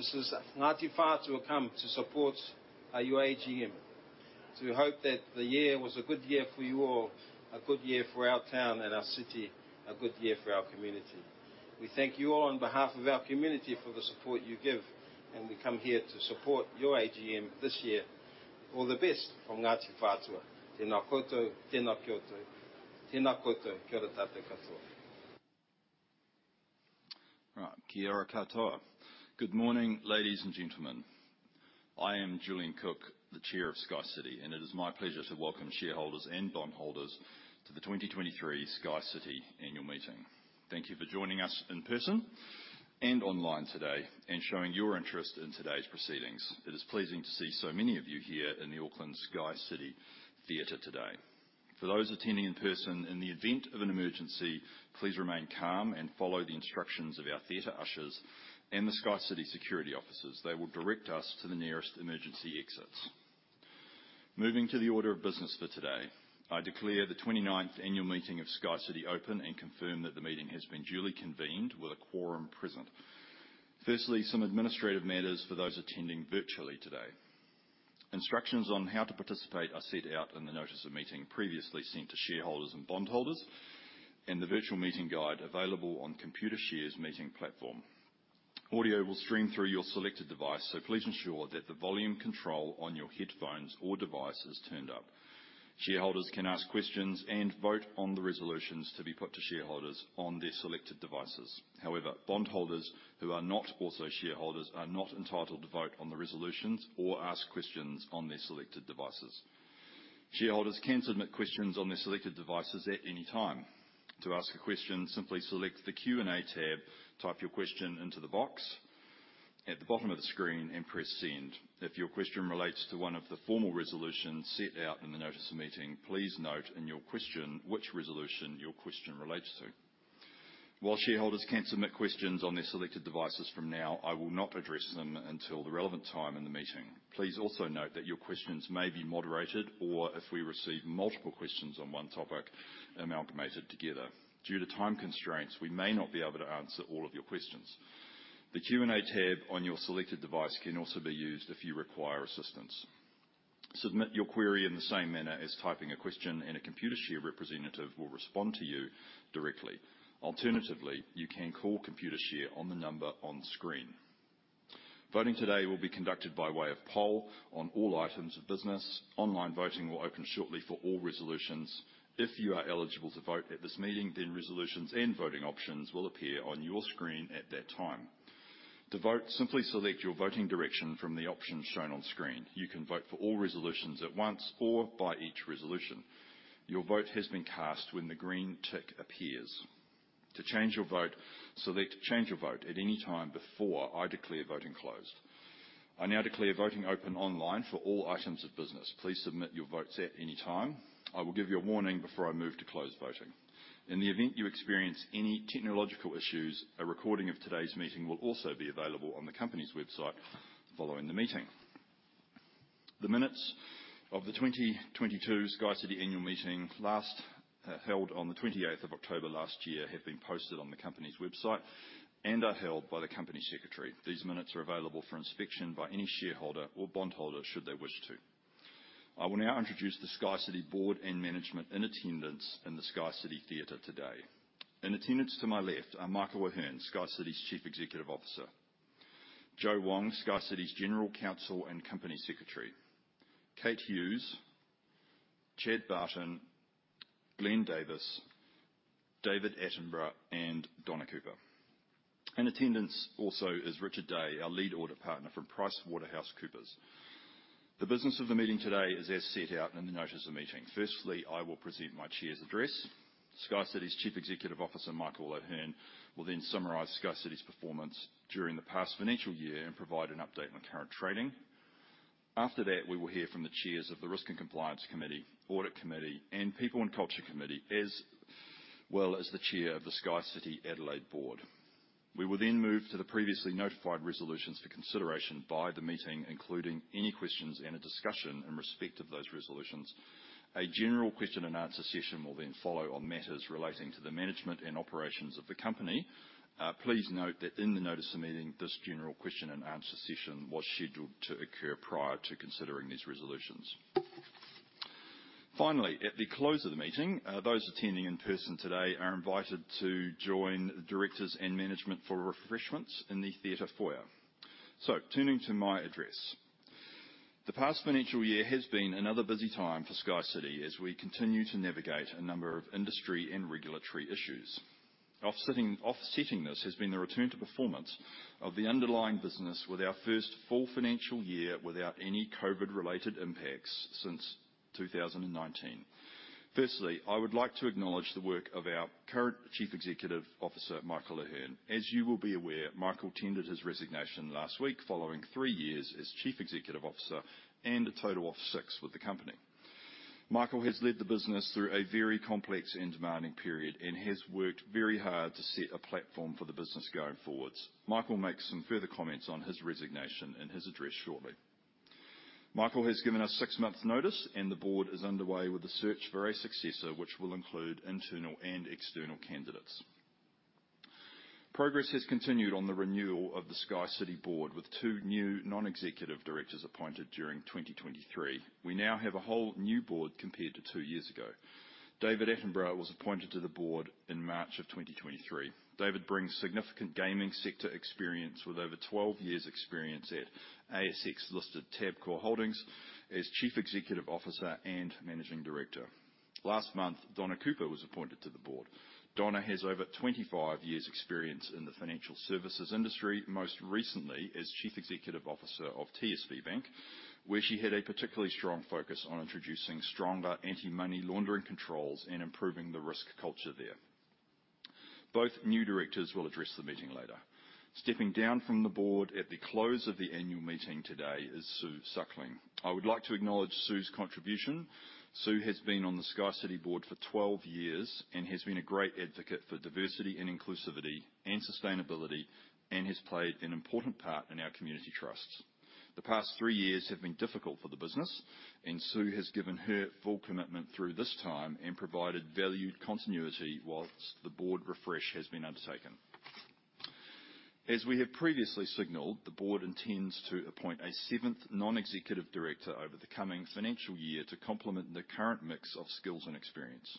This is Ngāti Whātua come to support your AGM. So we hope that the year was a good year for you all, a good year for our town and our city, a good year for our community. We thank you all on behalf of our community for the support you give, and we come here to support your AGM this year. All the best from Ngāti Whātua. Tēnā koutou. Tēnā kia tau. Tēnā koutou. Kia ora koutou katoa. Right. Kia ora katoa. Good morning, ladies and gentlemen. I am Julian Cook, the Chair of SkyCity, and it is my pleasure to welcome shareholders and bondholders to the 2023 SkyCity Annual Meeting. Thank you for joining us in person and online today and showing your interest in today's proceedings. It is pleasing to see so many of you here in the Auckland SkyCity Theatre today. For those attending in person, in the event of an emergency, please remain calm and follow the instructions of our theatre ushers and the SkyCity security officers. They will direct us to the nearest emergency exits. Moving to the order of business for today, I declare the 29th annual meeting of SkyCity open and confirm that the meeting has been duly convened with a quorum present. Firstly, some administrative matters for those attending virtually today. Instructions on how to participate are set out in the notice of meeting previously sent to shareholders and bondholders, and the virtual meeting guide available on Computershare's meeting platform. Audio will stream through your selected device, so please ensure that the volume control on your headphones or device is turned up. Shareholders can ask questions and vote on the resolutions to be put to shareholders on their selected devices. However, bondholders who are not also shareholders are not entitled to vote on the resolutions or ask questions on their selected devices. Shareholders can submit questions on their selected devices at any time. To ask a question, simply select the Q&A tab, type your question into the box at the bottom of the screen, and press Send. If your question relates to one of the formal resolutions set out in the notice of meeting, please note in your question which resolution your question relates to. While shareholders can submit questions on their selected devices from now, I will not address them until the relevant time in the meeting. Please also note that your questions may be moderated or, if we receive multiple questions on one topic, amalgamated together. Due to time constraints, we may not be able to answer all of your questions. The Q&A tab on your selected device can also be used if you require assistance. Submit your query in the same manner as typing a question, and a Computershare representative will respond to you directly. Alternatively, you can call Computershare on the number on screen. Voting today will be conducted by way of poll on all items of business. Online voting will open shortly for all resolutions. If you are eligible to vote at this meeting, then resolutions and voting options will appear on your screen at that time. To vote, simply select your voting direction from the options shown on screen. You can vote for all resolutions at once or by each resolution. Your vote has been cast when the green tick appears. To change your vote, select Change Your Vote at any time before I declare voting closed. I now declare voting open online for all items of business. Please submit your votes at any time. I will give you a warning before I move to close voting. In the event you experience any technological issues, a recording of today's meeting will also be available on the company's website following the meeting. The minutes of the 2022 SkyCity Annual Meeting, last held on the 28th of October last year, have been posted on the company's website and are held by the Company Secretary. These minutes are available for inspection by any shareholder or bondholder, should they wish to. I will now introduce the SkyCity Board and management in attendance in the SkyCity Theatre today. In attendance to my left are Michael Ahearne, SkyCity's Chief Executive Officer, Jo Wong, SkyCity's General Counsel and Company Secretary, Kate Hughes, Chad Barton, Glenn Davis, David Attenborough, and Donna Cooper. In attendance also is Richard Day, our Lead Audit Partner from PricewaterhouseCoopers. The business of the meeting today is as set out in the notice of the meeting. Firstly, I will present my Chair's address. SkyCity's Chief Executive Officer, Michael Ahearne, will then summarize SkyCity's performance during the past financial year and provide an update on current trading. After that, we will hear from the Chairs of the Risk and Compliance Committee, Audit Committee, and People and Culture Committee, as well as the Chair of the SkyCity Adelaide Board. We will then move to the previously notified resolutions for consideration by the meeting, including any questions and a discussion in respect of those resolutions. A general question and answer session will then follow on matters relating to the management and operations of the company. Please note that in the notice of meeting, this general question and answer session was scheduled to occur prior to considering these resolutions. Finally, at the close of the meeting, those attending in person today are invited to join directors and management for refreshments in the theater foyer. So, turning to my address. The past financial year has been another busy time for SkyCity as we continue to navigate a number of industry and regulatory issues. Offsetting, offsetting this has been the return to performance of the underlying business with our first full financial year, without any COVID-related impacts since 2019. Firstly, I would like to acknowledge the work of our current Chief Executive Officer, Michael Ahearne. As you will be aware, Michael tendered his resignation last week, following three years as Chief Executive Officer and a total of six with the company. Michael has led the business through a very complex and demanding period and has worked very hard to set a platform for the business going forwards. Michael will make some further comments on his resignation in his address shortly... Michael has given us 6 months' notice, and the board is underway with the search for a successor, which will include internal and external candidates. Progress has continued on the renewal of the SkyCity board, with 2 new non-executive directors appointed during 2023. We now have a whole new board compared to 2 years ago. David Attenborough was appointed to the board in March of 2023. David brings significant gaming sector experience, with over 12 years' experience at ASX-listed Tabcorp Holdings as Chief Executive Officer and Managing Director. Last month, Donna Cooper was appointed to the board. Donna has over 25 years' experience in the financial services industry, most recently as Chief Executive Officer of TSB Bank, where she had a particularly strong focus on introducing stronger anti-money laundering controls and improving the risk culture there. Both new directors will address the meeting later. Stepping down from the board at the close of the annual meeting today is Sue Suckling. I would like to acknowledge Sue's contribution. Sue has been on the SkyCity board for 12 years and has been a great advocate for diversity and inclusivity and sustainability, and has played an important part in our community trusts. The past 3 years have been difficult for the business, and Sue has given her full commitment through this time and provided valued continuity while the board refresh has been undertaken. As we have previously signaled, the board intends to appoint a seventh non-executive director over the coming financial year to complement the current mix of skills and experience.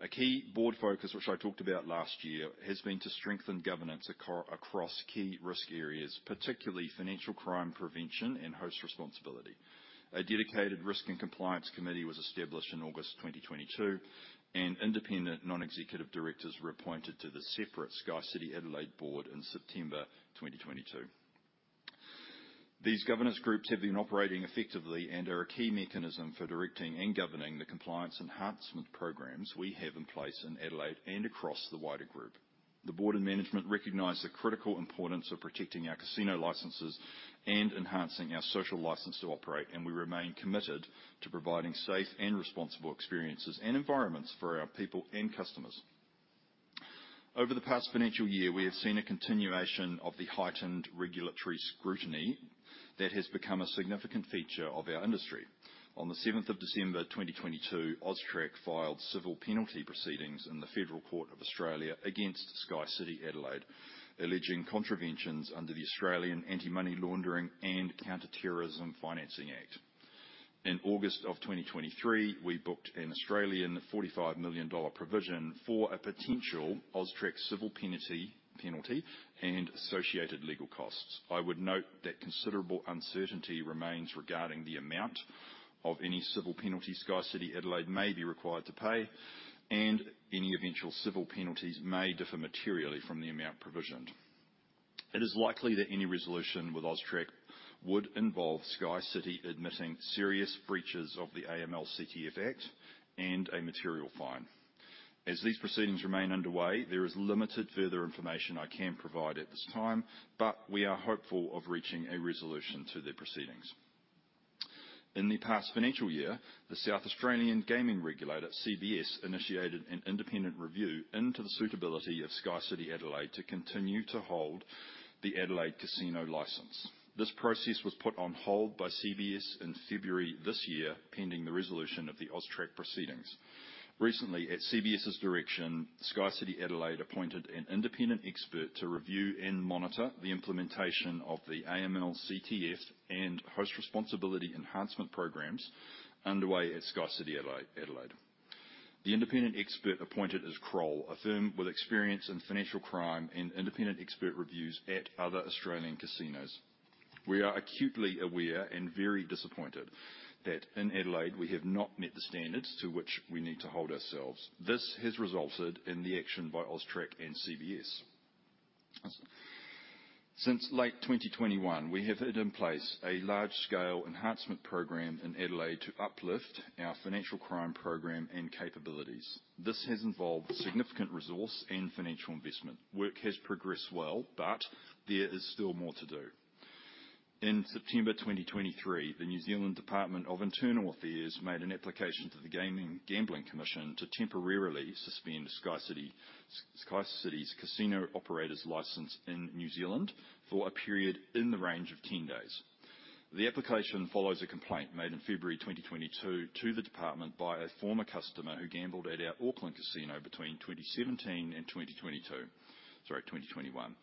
A key board focus, which I talked about last year, has been to strengthen governance across key risk areas, particularly financial crime prevention and host responsibility. A dedicated Risk and Compliance Committee was established in August 2022, and independent non-executive directors were appointed to the separate SkyCity Adelaide board in September 2022. These governance groups have been operating effectively and are a key mechanism for directing and governing the compliance enhancement programs we have in place in Adelaide and across the wider group. The board and management recognize the critical importance of protecting our casino licenses and enhancing our social license to operate, and we remain committed to providing safe and responsible experiences and environments for our people and customers. Over the past financial year, we have seen a continuation of the heightened regulatory scrutiny that has become a significant feature of our industry. On the seventh of December, 2022, AUSTRAC filed civil penalty proceedings in the Federal Court of Australia against SkyCity Adelaide, alleging contraventions under the Australian Anti-Money Laundering and Counter-Terrorism Financing Act. In August of 2023, we booked an 45 million Australian dollars provision for a potential AUSTRAC civil penalty and associated legal costs. I would note that considerable uncertainty remains regarding the amount of any civil penalty SkyCity Adelaide may be required to pay, and any eventual civil penalties may differ materially from the amount provisioned. It is likely that any resolution with AUSTRAC would involve SkyCity admitting serious breaches of the AML/CTF Act and a material fine. As these proceedings remain underway, there is limited further information I can provide at this time, but we are hopeful of reaching a resolution to the proceedings. In the past financial year, the South Australian Gaming Regulator, CBS, initiated an independent review into the suitability of SkyCity Adelaide to continue to hold the Adelaide casino license. This process was put on hold by CBS in February this year, pending the resolution of the AUSTRAC proceedings. Recently, at CBS's direction, SkyCity Adelaide appointed an independent expert to review and monitor the implementation of the AML/CTF and host responsibility enhancement programs underway at SkyCity Adelaide. The independent expert appointed is Kroll, a firm with experience in financial crime and independent expert reviews at other Australian casinos. We are acutely aware and very disappointed that in Adelaide, we have not met the standards to which we need to hold ourselves. This has resulted in the action by AUSTRAC and CBS. Since late 2021, we have had in place a large-scale enhancement program in Adelaide to uplift our financial crime program and capabilities. This has involved significant resource and financial investment. Work has progressed well, but there is still more to do. In September 2023, the New Zealand Department of Internal Affairs made an application to the Gambling Commission to temporarily suspend SkyCity's casino operator's license in New Zealand for a period in the range of 10 days. The application follows a complaint made in February 2022 to the department by a former customer who gambled at our Auckland casino between 2017 and 2022, sorry, 2021.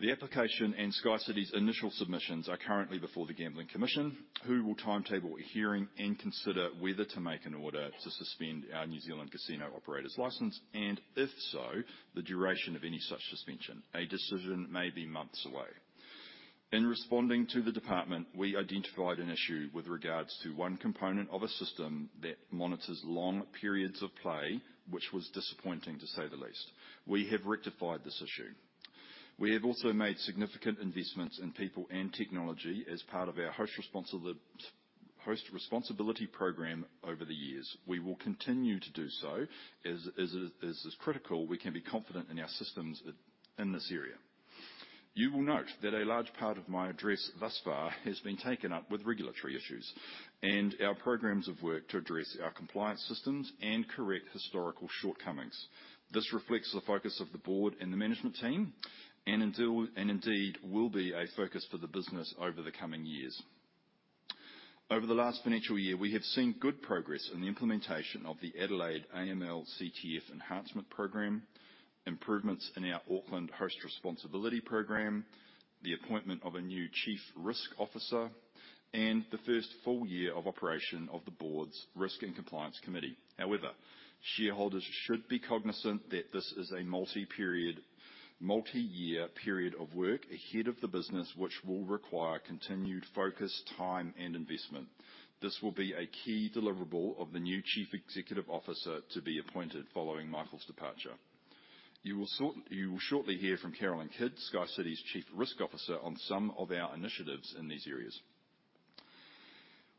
The application and SkyCity's initial submissions are currently before the Gambling Commission, who will timetable a hearing and consider whether to make an order to suspend our New Zealand casino operator's license, and if so, the duration of any such suspension. A decision may be months away. In responding to the department, we identified an issue with regards to one component of a system that monitors long periods of play, which was disappointing, to say the least. We have rectified this issue. We have also made significant investments in people and technology as part of our Host Responsibility program over the years. We will continue to do so, as it is critical we can be confident in our systems in this area. You will note that a large part of my address thus far has been taken up with regulatory issues and our programs of work to address our compliance systems and correct historical shortcomings. This reflects the focus of the board and the management team, and indeed, will be a focus for the business over the coming years. Over the last financial year, we have seen good progress in the implementation of the Adelaide AML/CTF enhancement program, improvements in our Auckland Host Responsibility program, the appointment of a new Chief Risk Officer, and the first full year of operation of the board's Risk and Compliance Committee. However, shareholders should be cognizant that this is a multi-year period of work ahead of the business, which will require continued focus, time, and investment. This will be a key deliverable of the new Chief Executive Officer to be appointed following Michael's departure. You will shortly hear from Carolyn Kidd, SkyCity's Chief Risk Officer, on some of our initiatives in these areas.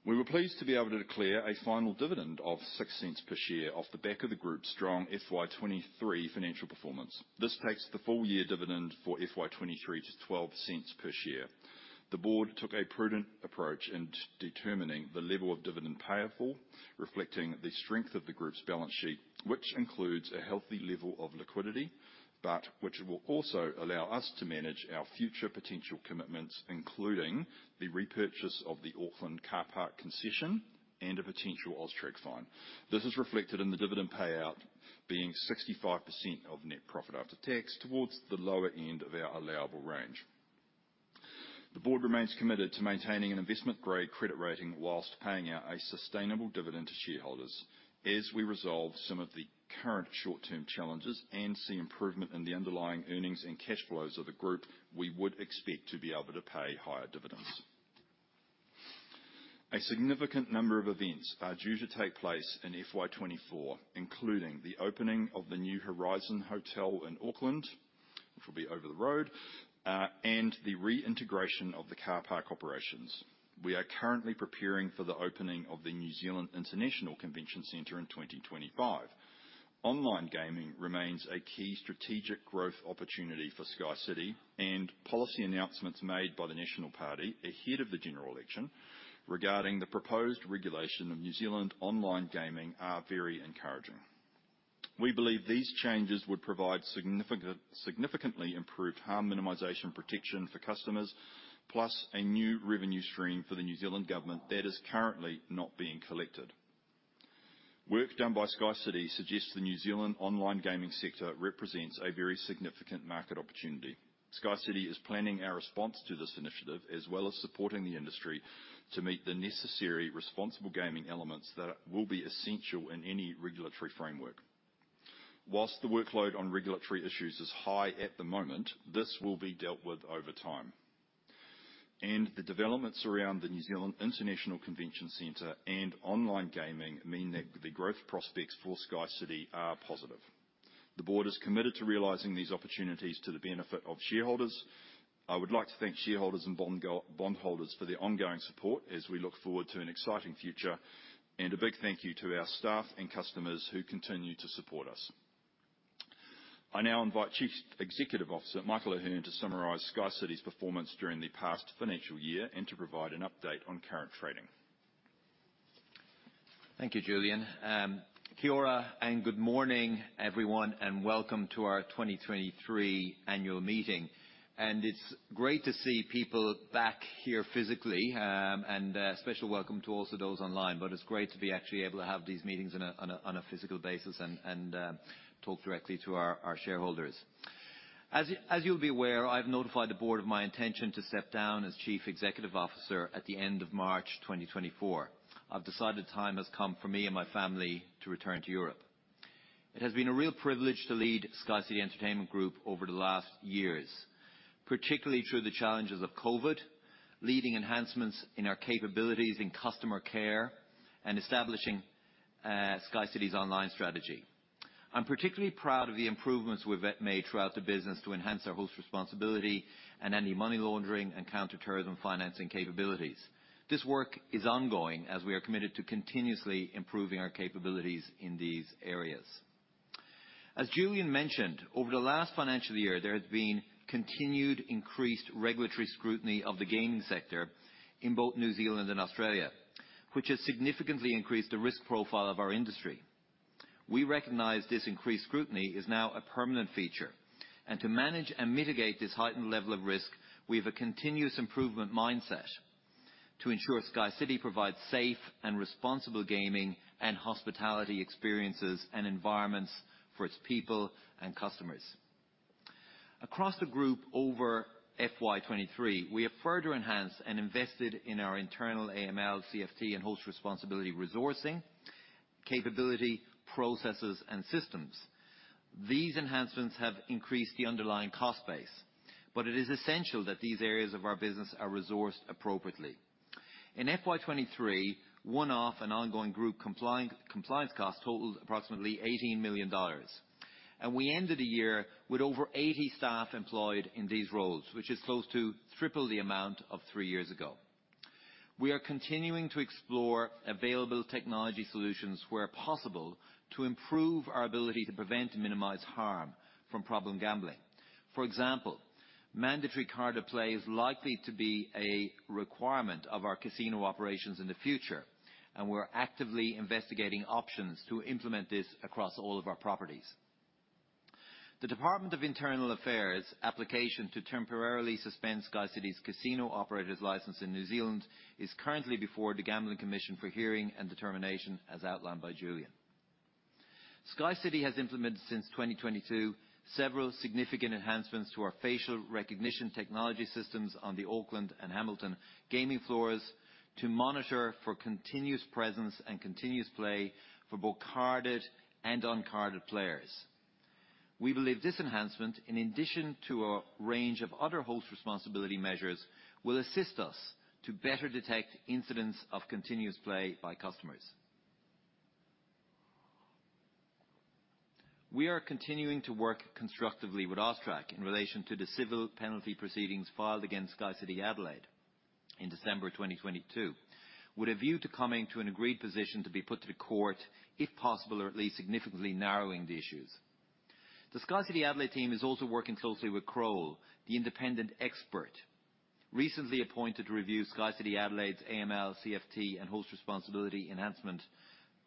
We were pleased to be able to declare a final dividend of 0.06 per share off the back of the group's strong FY 2023 financial performance. This takes the full year dividend for FY 2023 to 0.12 per share. The board took a prudent approach in determining the level of dividend payable, reflecting the strength of the group's balance sheet, which includes a healthy level of liquidity, but which will also allow us to manage our future potential commitments, including the repurchase of the Auckland car park concession and a potential AUSTRAC fine. This is reflected in the dividend payout being 65% of net profit after tax, towards the lower end of our allowable range. The board remains committed to maintaining an investment-grade credit rating whilst paying out a sustainable dividend to shareholders. As we resolve some of the current short-term challenges and see improvement in the underlying earnings and cash flows of the group, we would expect to be able to pay higher dividends. A significant number of events are due to take place in FY 2024, including the opening of the new Horizon Hotel in Auckland, which will be over the road, and the reintegration of the car park operations. We are currently preparing for the opening of the New Zealand International Convention Centre in 2025. Online gaming remains a key strategic growth opportunity for SkyCity, and policy announcements made by the National Party ahead of the general election regarding the proposed regulation of New Zealand online gaming are very encouraging. We believe these changes would provide significantly improved harm minimization protection for customers, plus a new revenue stream for the New Zealand government that is currently not being collected. Work done by SkyCity suggests the New Zealand online gaming sector represents a very significant market opportunity. SkyCity is planning our response to this initiative, as well as supporting the industry to meet the necessary responsible gaming elements that will be essential in any regulatory framework. While the workload on regulatory issues is high at the moment, this will be dealt with over time, and the developments around the New Zealand International Convention Centre and online gaming mean that the growth prospects for SkyCity are positive. The board is committed to realizing these opportunities to the benefit of shareholders. I would like to thank shareholders and bondholders for their ongoing support as we look forward to an exciting future, and a big thank you to our staff and customers who continue to support us. I now invite Chief Executive Officer, Michael Ahearne, to summarize SkyCity's performance during the past financial year and to provide an update on current trading. Thank you, Julian. Kia ora, and good morning, everyone, and welcome to our 2023 annual meeting. It's great to see people back here physically, and special welcome to also those online. But it's great to be actually able to have these meetings on a physical basis and talk directly to our shareholders. As you'll be aware, I've notified the board of my intention to step down as Chief Executive Officer at the end of March 2024. I've decided the time has come for me and my family to return to Europe. It has been a real privilege to lead SkyCity Entertainment Group over the last years, particularly through the challenges of COVID, leading enhancements in our capabilities in customer care, and establishing SkyCity's online strategy. I'm particularly proud of the improvements we've made throughout the business to enhance our host responsibility and anti-money laundering and counter-terrorism financing capabilities. This work is ongoing as we are committed to continuously improving our capabilities in these areas. As Julian mentioned, over the last financial year, there has been continued increased regulatory scrutiny of the gaming sector in both New Zealand and Australia, which has significantly increased the risk profile of our industry. We recognize this increased scrutiny is now a permanent feature, and to manage and mitigate this heightened level of risk, we have a continuous improvement mindset to ensure SkyCity provides safe and responsible gaming and hospitality experiences and environments for its people and customers. Across the group, over FY 2023, we have further enhanced and invested in our internal AML, CFT, and host responsibility resourcing, capability, processes, and systems. These enhancements have increased the underlying cost base, but it is essential that these areas of our business are resourced appropriately. In FY 23, one-off and ongoing group compliance costs totaled approximately 18 million dollars, and we ended the year with over 80 staff employed in these roles, which is close to triple the amount of three years ago. We are continuing to explore available technology solutions where possible to improve our ability to prevent and minimize harm from problem gambling. For example, mandatory card play is likely to be a requirement of our casino operations in the future, and we're actively investigating options to implement this across all of our properties.... The Department of Internal Affairs' application to temporarily suspend SkyCity's casino operator's license in New Zealand is currently before the Gambling Commission for hearing and determination, as outlined by Julian. SkyCity has implemented since 2022 several significant enhancements to our facial recognition technology systems on the Auckland and Hamilton gaming floors to monitor for continuous presence and continuous play for both carded and uncarded players. We believe this enhancement, in addition to a range of other host responsibility measures, will assist us to better detect incidents of continuous play by customers. We are continuing to work constructively with AUSTRAC in relation to the civil penalty proceedings filed against SkyCity Adelaide in December of 2022, with a view to coming to an agreed position to be put to the court, if possible, or at least significantly narrowing the issues. The SkyCity Adelaide team is also working closely with Kroll, the independent expert recently appointed to review SkyCity Adelaide's AML/CTF and host responsibility enhancement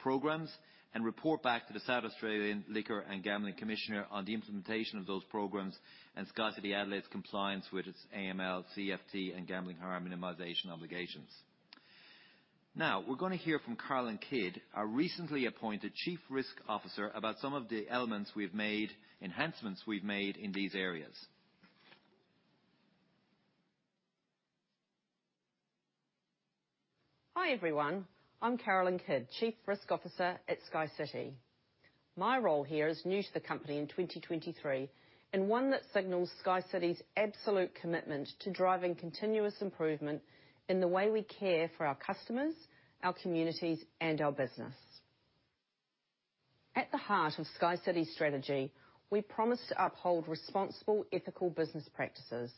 programs, and report back to the South Australian Liquor and Gambling Commissioner on the implementation of those programs, and SkyCity Adelaide's compliance with its AML/CTF and gambling harm minimization obligations. Now, we're gonna hear from Carolyn Kidd, our recently appointed Chief Risk Officer, about some of the enhancements we've made in these areas. Hi, everyone. I'm Carolyn Kidd, Chief Risk Officer at SkyCity. My role here is new to the company in 2023, and one that signals SkyCity's absolute commitment to driving continuous improvement in the way we care for our customers, our communities, and our business. At the heart of SkyCity's strategy, we promise to uphold responsible, ethical business practices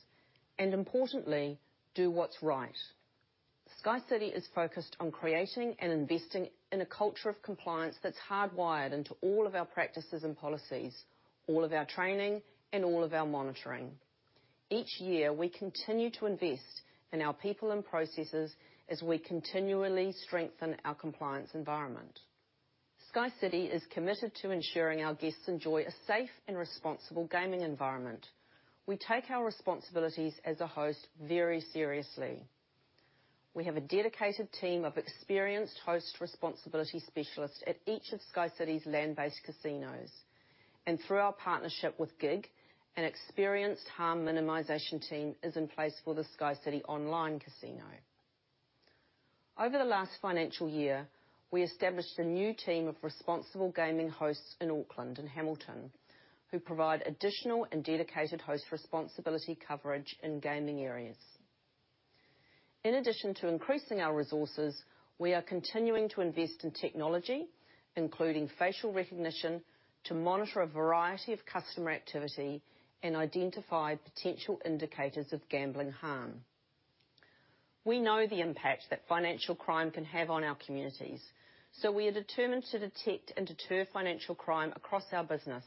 and, importantly, do what's right. SkyCity is focused on creating and investing in a culture of compliance that's hardwired into all of our practices and policies, all of our training, and all of our monitoring. Each year, we continue to invest in our people and processes as we continually strengthen our compliance environment. SkyCity is committed to ensuring our guests enjoy a safe and responsible gaming environment. We take our responsibilities as a host very seriously. We have a dedicated team of experienced host responsibility specialists at each of SkyCity's land-based casinos, and through our partnership with GiG, an experienced harm minimization team is in place for the SkyCity online casino. Over the last financial year, we established a new team of responsible gaming hosts in Auckland and Hamilton, who provide additional and dedicated host responsibility coverage in gaming areas. In addition to increasing our resources, we are continuing to invest in technology, including facial recognition, to monitor a variety of customer activity and identify potential indicators of gambling harm. We know the impact that financial crime can have on our communities, so we are determined to detect and deter financial crime across our business.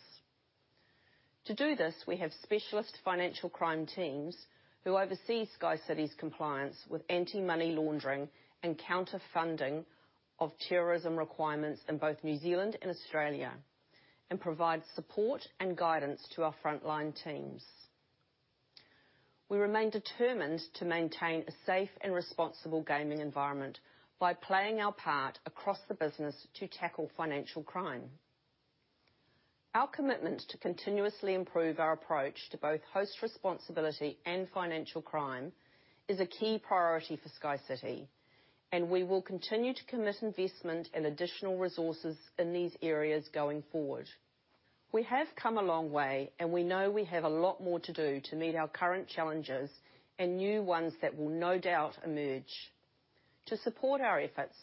To do this, we have specialist financial crime teams who oversee SkyCity's compliance with anti-money laundering and counter-funding of terrorism requirements in both New Zealand and Australia, and provide support and guidance to our frontline teams. We remain determined to maintain a safe and responsible gaming environment by playing our part across the business to tackle financial crime. Our commitment to continuously improve our approach to both host responsibility and financial crime is a key priority for SkyCity, and we will continue to commit investment and additional resources in these areas going forward. We have come a long way, and we know we have a lot more to do to meet our current challenges and new ones that will no doubt emerge. To support our efforts,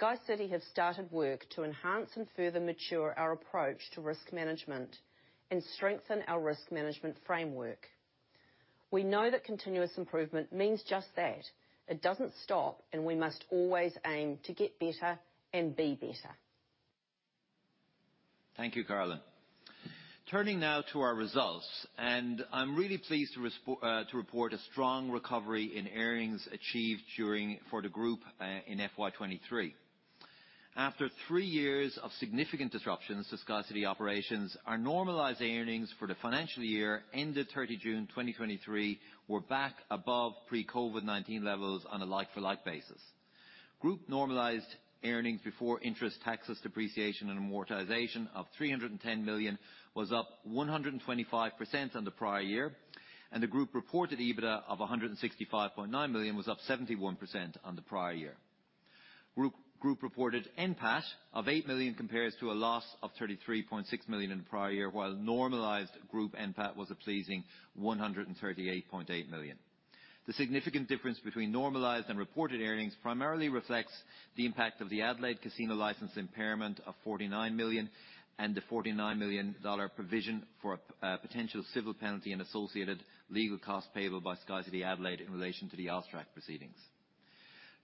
SkyCity have started work to enhance and further mature our approach to risk management and strengthen our risk management framework. We know that continuous improvement means just that. It doesn't stop, and we must always aim to get better and be better. Thank you, Carolyn. Turning now to our results, and I'm really pleased to report a strong recovery in earnings achieved for the group in FY 23. After three years of significant disruptions to SkyCity operations, our normalized earnings for the financial year ended 30 June 2023 were back above pre-COVID-19 levels on a like-for-like basis. Group normalized earnings before interest, taxes, depreciation, and amortization of 310 million was up 125% on the prior year, and the group reported EBITDA of 165.9 million was up 71% on the prior year. Group reported NPAT of 8 million compares to a loss of 33.6 million in the prior year, while normalized group NPAT was a pleasing 138.8 million. The significant difference between normalized and reported earnings primarily reflects the impact of the Adelaide casino license impairment of 49 million, and the 49 million dollar provision for a potential civil penalty and associated legal costs payable by SkyCity Adelaide in relation to the AUSTRAC proceedings.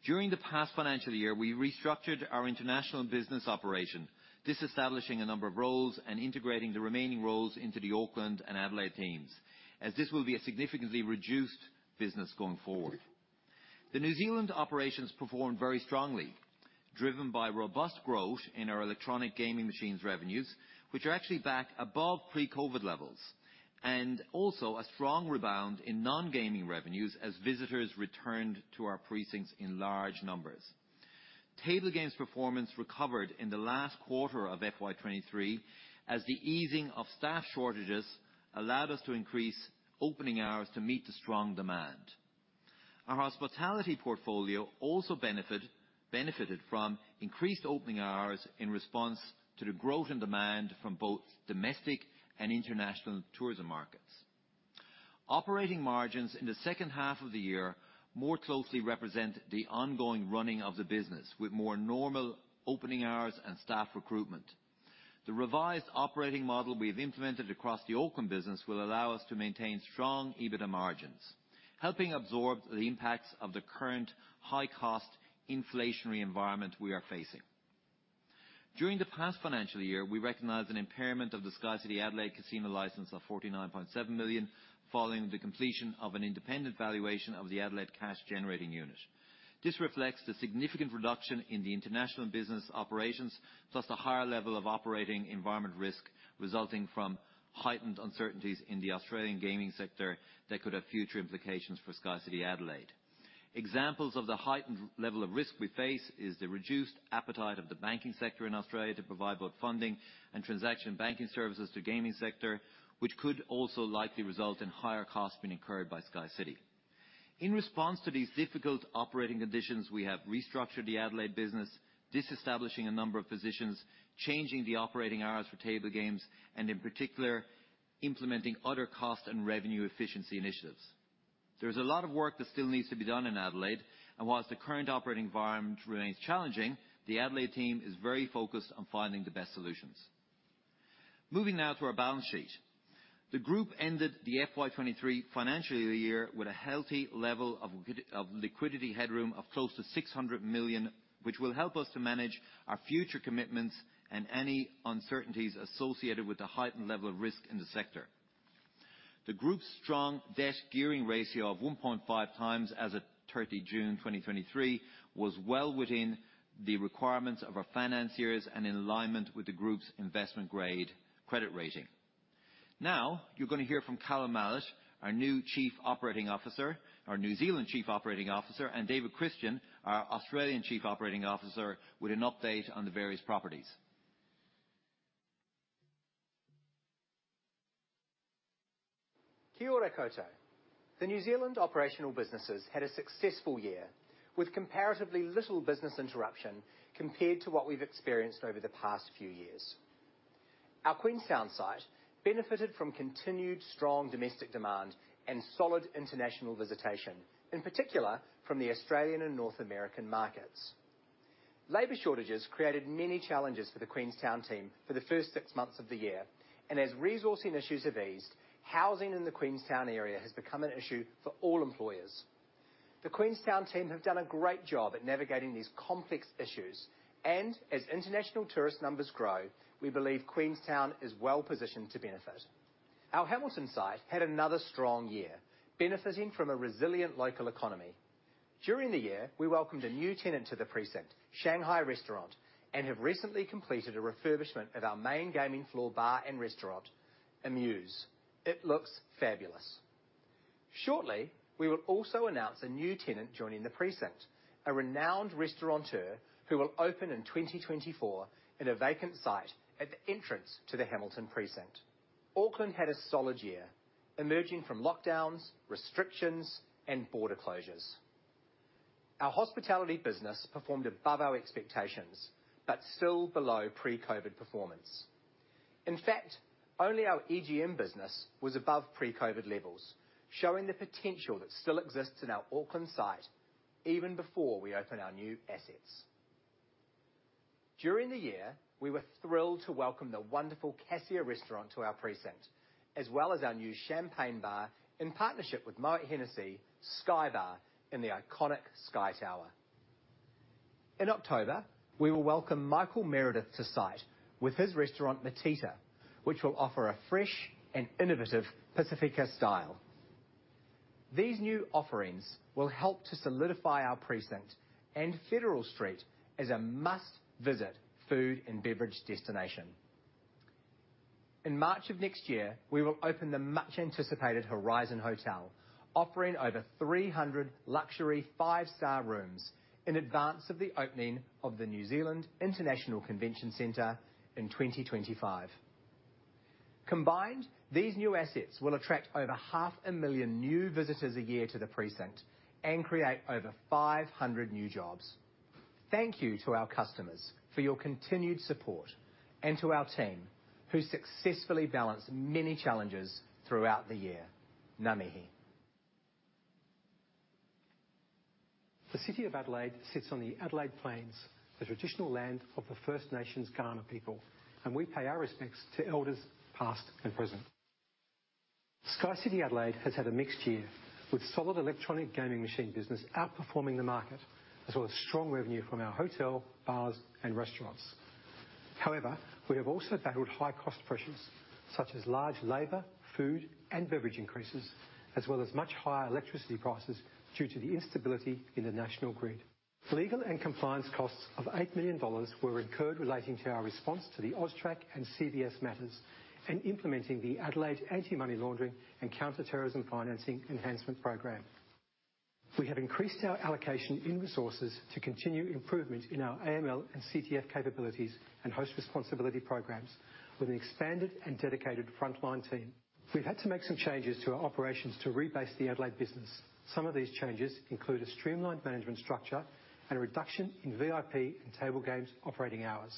During the past financial year, we restructured our international business operation, disestablishing a number of roles and integrating the remaining roles into the Auckland and Adelaide teams, as this will be a significantly reduced business going forward. The New Zealand operations performed very strongly, driven by robust growth in our electronic gaming machines revenues, which are actually back above pre-COVID levels, and also a strong rebound in nongaming revenues as visitors returned to our precincts in large numbers. Table games performance recovered in the last quarter of FY 2023, as the easing of staff shortages allowed us to increase opening hours to meet the strong demand. Our hospitality portfolio also benefited from increased opening hours in response to the growth in demand from both domestic and international tourism markets. Operating margins in the second half of the year more closely represent the ongoing running of the business, with more normal opening hours and staff recruitment. The revised operating model we've implemented across the Auckland business will allow us to maintain strong EBITDA margins, helping absorb the impacts of the current high-cost inflationary environment we are facing. During the past financial year, we recognized an impairment of the SkyCity Adelaide casino license of 49.7 million, following the completion of an independent valuation of the Adelaide cash-generating unit. This reflects the significant reduction in the international business operations, plus the higher level of operating environment risk resulting from heightened uncertainties in the Australian gaming sector that could have future implications for SkyCity Adelaide. Examples of the heightened level of risk we face is the reduced appetite of the banking sector in Australia to provide both funding and transaction banking services to gaming sector, which could also likely result in higher costs being incurred by SkyCity. In response to these difficult operating conditions, we have restructured the Adelaide business, disestablishing a number of positions, changing the operating hours for table games, and in particular, implementing other cost and revenue efficiency initiatives. There's a lot of work that still needs to be done in Adelaide, and whilst the current operating environment remains challenging, the Adelaide team is very focused on finding the best solutions. Moving now to our balance sheet. The group ended the FY 2023 financial year with a healthy level of liquidity headroom of close to 600 million, which will help us to manage our future commitments and any uncertainties associated with the heightened level of risk in the sector. The group's strong debt gearing ratio of 1.5 times as at 30 June 2023, was well within the requirements of our financiers and in alignment with the group's investment-grade credit rating. Now, you're going to hear from Callum Mallett, our new Chief Operating Officer, our New Zealand Chief Operating Officer, and David Christian, our Australian Chief Operating Officer, with an update on the various properties. Kia ora koutou. The New Zealand operational businesses had a successful year, with comparatively little business interruption compared to what we've experienced over the past few years. Our Queenstown site benefited from continued strong domestic demand and solid international visitation, in particular from the Australian and North American markets. Labor shortages created many challenges for the Queenstown team for the first six months of the year, and as resourcing issues have eased, housing in the Queenstown area has become an issue for all employers. The Queenstown team have done a great job at navigating these complex issues, and as international tourist numbers grow, we believe Queenstown is well positioned to benefit. Our Hamilton site had another strong year, benefiting from a resilient local economy. During the year, we welcomed a new tenant to the precinct, Shanghai Restaurant, and have recently completed a refurbishment of our main gaming floor, bar, and restaurant, Amuse. It looks fabulous. Shortly, we will also announce a new tenant joining the precinct, a renowned restaurateur, who will open in 2024 in a vacant site at the entrance to the Hamilton precinct. Auckland had a solid year, emerging from lockdowns, restrictions, and border closures. Our hospitality business performed above our expectations, but still below pre-COVID performance. In fact, only our EGM business was above pre-COVID levels, showing the potential that still exists in our Auckland site even before we open our new assets. During the year, we were thrilled to welcome the wonderful Cassia restaurant to our precinct, as well as our new champagne bar in partnership with Moët Hennessy, SkyBar, in the iconic Sky Tower. In October, we will welcome Michael Meredith to site with his restaurant, Metita, which will offer a fresh and innovative Pasifika style. These new offerings will help to solidify our precinct and Federal Street as a must-visit food and beverage destination. In March of next year, we will open the much-anticipated Horizon Hotel, offering over 300 luxury five-star rooms in advance of the opening of the New Zealand International Convention Centre in 2025. Combined, these new assets will attract over 500,000 new visitors a year to the precinct and create over 500 new jobs. Thank you to our customers for your continued support, and to our team, who successfully balanced many challenges throughout the year. Ngā mihi. The city of Adelaide sits on the Adelaide Plains, the traditional land of the First Nations Kaurna people, and we pay our respects to elders, past and present. SkyCity Adelaide has had a mixed year, with solid electronic gaming machine business outperforming the market, as well as strong revenue from our hotel, bars, and restaurants. However, we have also battled high cost pressures, such as large labor, food, and beverage increases, as well as much higher electricity prices due to the instability in the national grid. Legal and compliance costs of 8 million dollars were incurred relating to our response to the AUSTRAC and CBS matters, and implementing the Adelaide Anti-Money Laundering and Counter-Terrorism Financing Enhancement Program. We have increased our allocation in resources to continue improvement in our AML and CTF capabilities and host responsibility programs with an expanded and dedicated frontline team. We've had to make some changes to our operations to rebase the Adelaide business. Some of these changes include a streamlined management structure and a reduction in VIP and table games operating hours,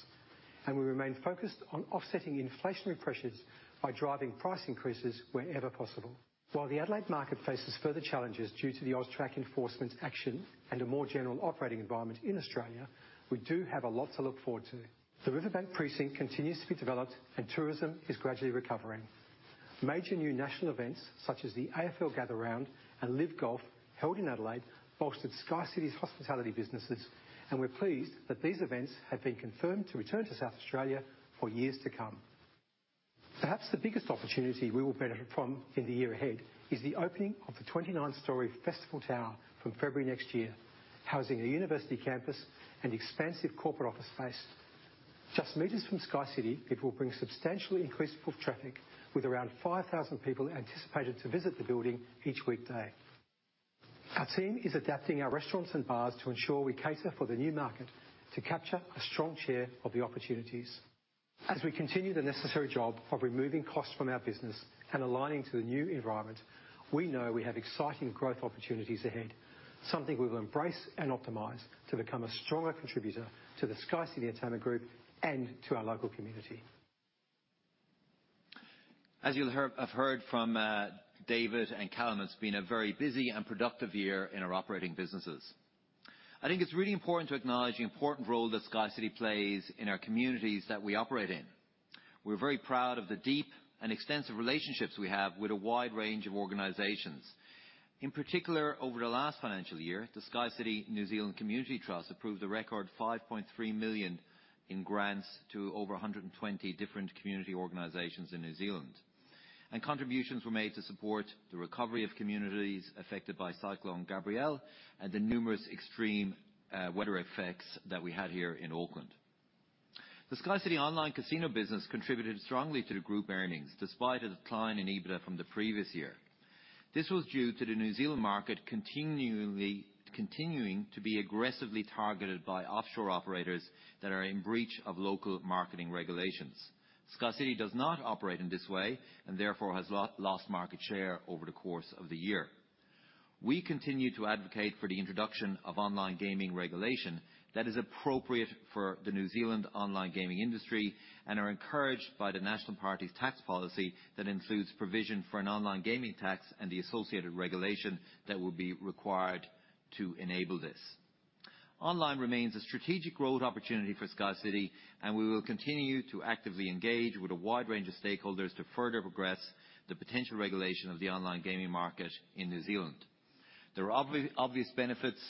and we remain focused on offsetting inflationary pressures by driving price increases wherever possible. While the Adelaide market faces further challenges due to the AUSTRAC enforcement action and a more general operating environment in Australia, we do have a lot to look forward to. The Riverbank Precinct continues to be developed, and tourism is gradually recovering. Major new national events, such as the AFL Gather Round and LIV Golf, held in Adelaide, bolstered SkyCity's hospitality businesses, and we're pleased that these events have been confirmed to return to South Australia for years to come. Perhaps the biggest opportunity we will benefit from in the year ahead is the opening of the 29-story Festival Tower from February next year, housing a university campus and expansive corporate office space. Just meters from SkyCity, it will bring substantially increased foot traffic, with around 5,000 people anticipated to visit the building each weekday. Our team is adapting our restaurants and bars to ensure we cater for the new market to capture a strong share of the opportunities. As we continue the necessary job of removing costs from our business and aligning to the new environment, we know we have exciting growth opportunities ahead, something we will embrace and optimize to become a stronger contributor to the SkyCity Entertainment Group and to our local community. As you'll hear-have heard from David and Callum, it's been a very busy and productive year in our operating businesses. I think it's really important to acknowledge the important role that SkyCity plays in our communities that we operate in. We're very proud of the deep and extensive relationships we have with a wide range of organizations. In particular, over the last financial year, the SkyCity New Zealand Community Trust approved a record 5.3 million in grants to over 120 different community organizations in New Zealand. Contributions were made to support the recovery of communities affected by Cyclone Gabrielle and the numerous extreme weather effects that we had here in Auckland. The SkyCity online casino business contributed strongly to the group earnings, despite a decline in EBITDA from the previous year. This was due to the New Zealand market continuing to be aggressively targeted by offshore operators that are in breach of local marketing regulations. SkyCity does not operate in this way and therefore has lost market share over the course of the year. We continue to advocate for the introduction of online gaming regulation that is appropriate for the New Zealand online gaming industry and are encouraged by the National Party's tax policy that includes provision for an online gaming tax and the associated regulation that will be required to enable this. Online remains a strategic growth opportunity for SkyCity, and we will continue to actively engage with a wide range of stakeholders to further progress the potential regulation of the online gaming market in New Zealand. There are obvious benefits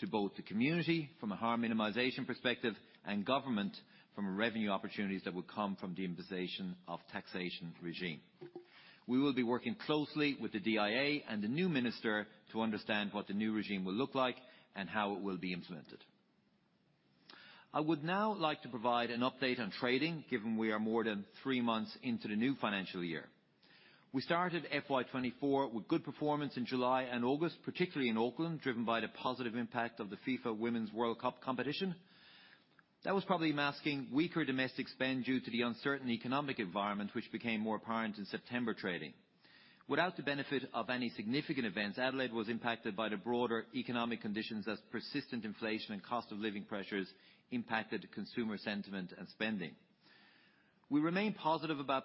to both the community, from a harm minimization perspective, and government, from revenue opportunities that will come from the imposition of taxation regime. We will be working closely with the DIA and the new minister to understand what the new regime will look like and how it will be implemented. I would now like to provide an update on trading, given we are more than three months into the new financial year. We started FY 2024 with good performance in July and August, particularly in Auckland, driven by the positive impact of the FIFA Women's World Cup competition. That was probably masking weaker domestic spend due to the uncertain economic environment, which became more apparent in September trading. Without the benefit of any significant events, Adelaide was impacted by the broader economic conditions as persistent inflation and cost of living pressures impacted consumer sentiment and spending. We remain positive about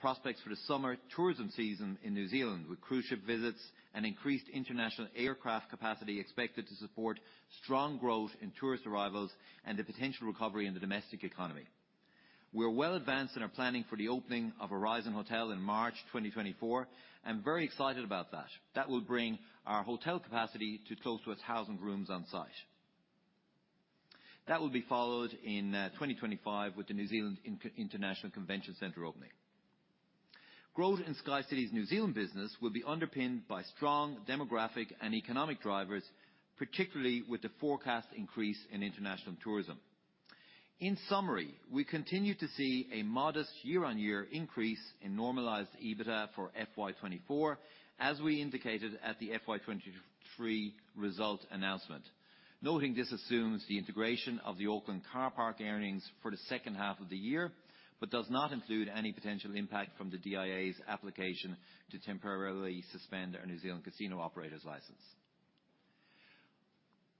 prospects for the summer tourism season in New Zealand, with cruise ship visits and increased international aircraft capacity expected to support strong growth in tourist arrivals and the potential recovery in the domestic economy. We are well advanced in our planning for the opening of Horizon Hotel in March 2024. I'm very excited about that. That will bring our hotel capacity to close to 1,000 rooms on site. That will be followed in 2025 with the New Zealand International Convention Centre opening. Growth in SkyCity's New Zealand business will be underpinned by strong demographic and economic drivers, particularly with the forecast increase in international tourism. In summary, we continue to see a modest year-on-year increase in normalized EBITDA for FY 2024, as we indicated at the FY 2023 result announcement. Noting this assumes the integration of the Auckland car park earnings for the second half of the year, but does not include any potential impact from the DIA's application to temporarily suspend our New Zealand casino operator's license.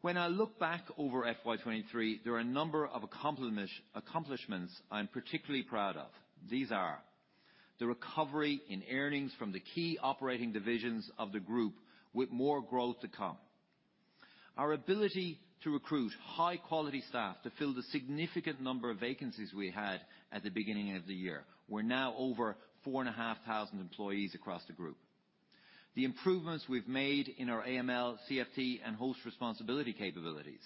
When I look back over FY 2023, there are a number of accomplishments I'm particularly proud of. These are the recovery in earnings from the key operating divisions of the group, with more growth to come, our ability to recruit high-quality staff to fill the significant number of vacancies we had at the beginning of the year. We're now over 4,500 employees across the group.... the improvements we've made in our AML/CTF and host responsibility capabilities,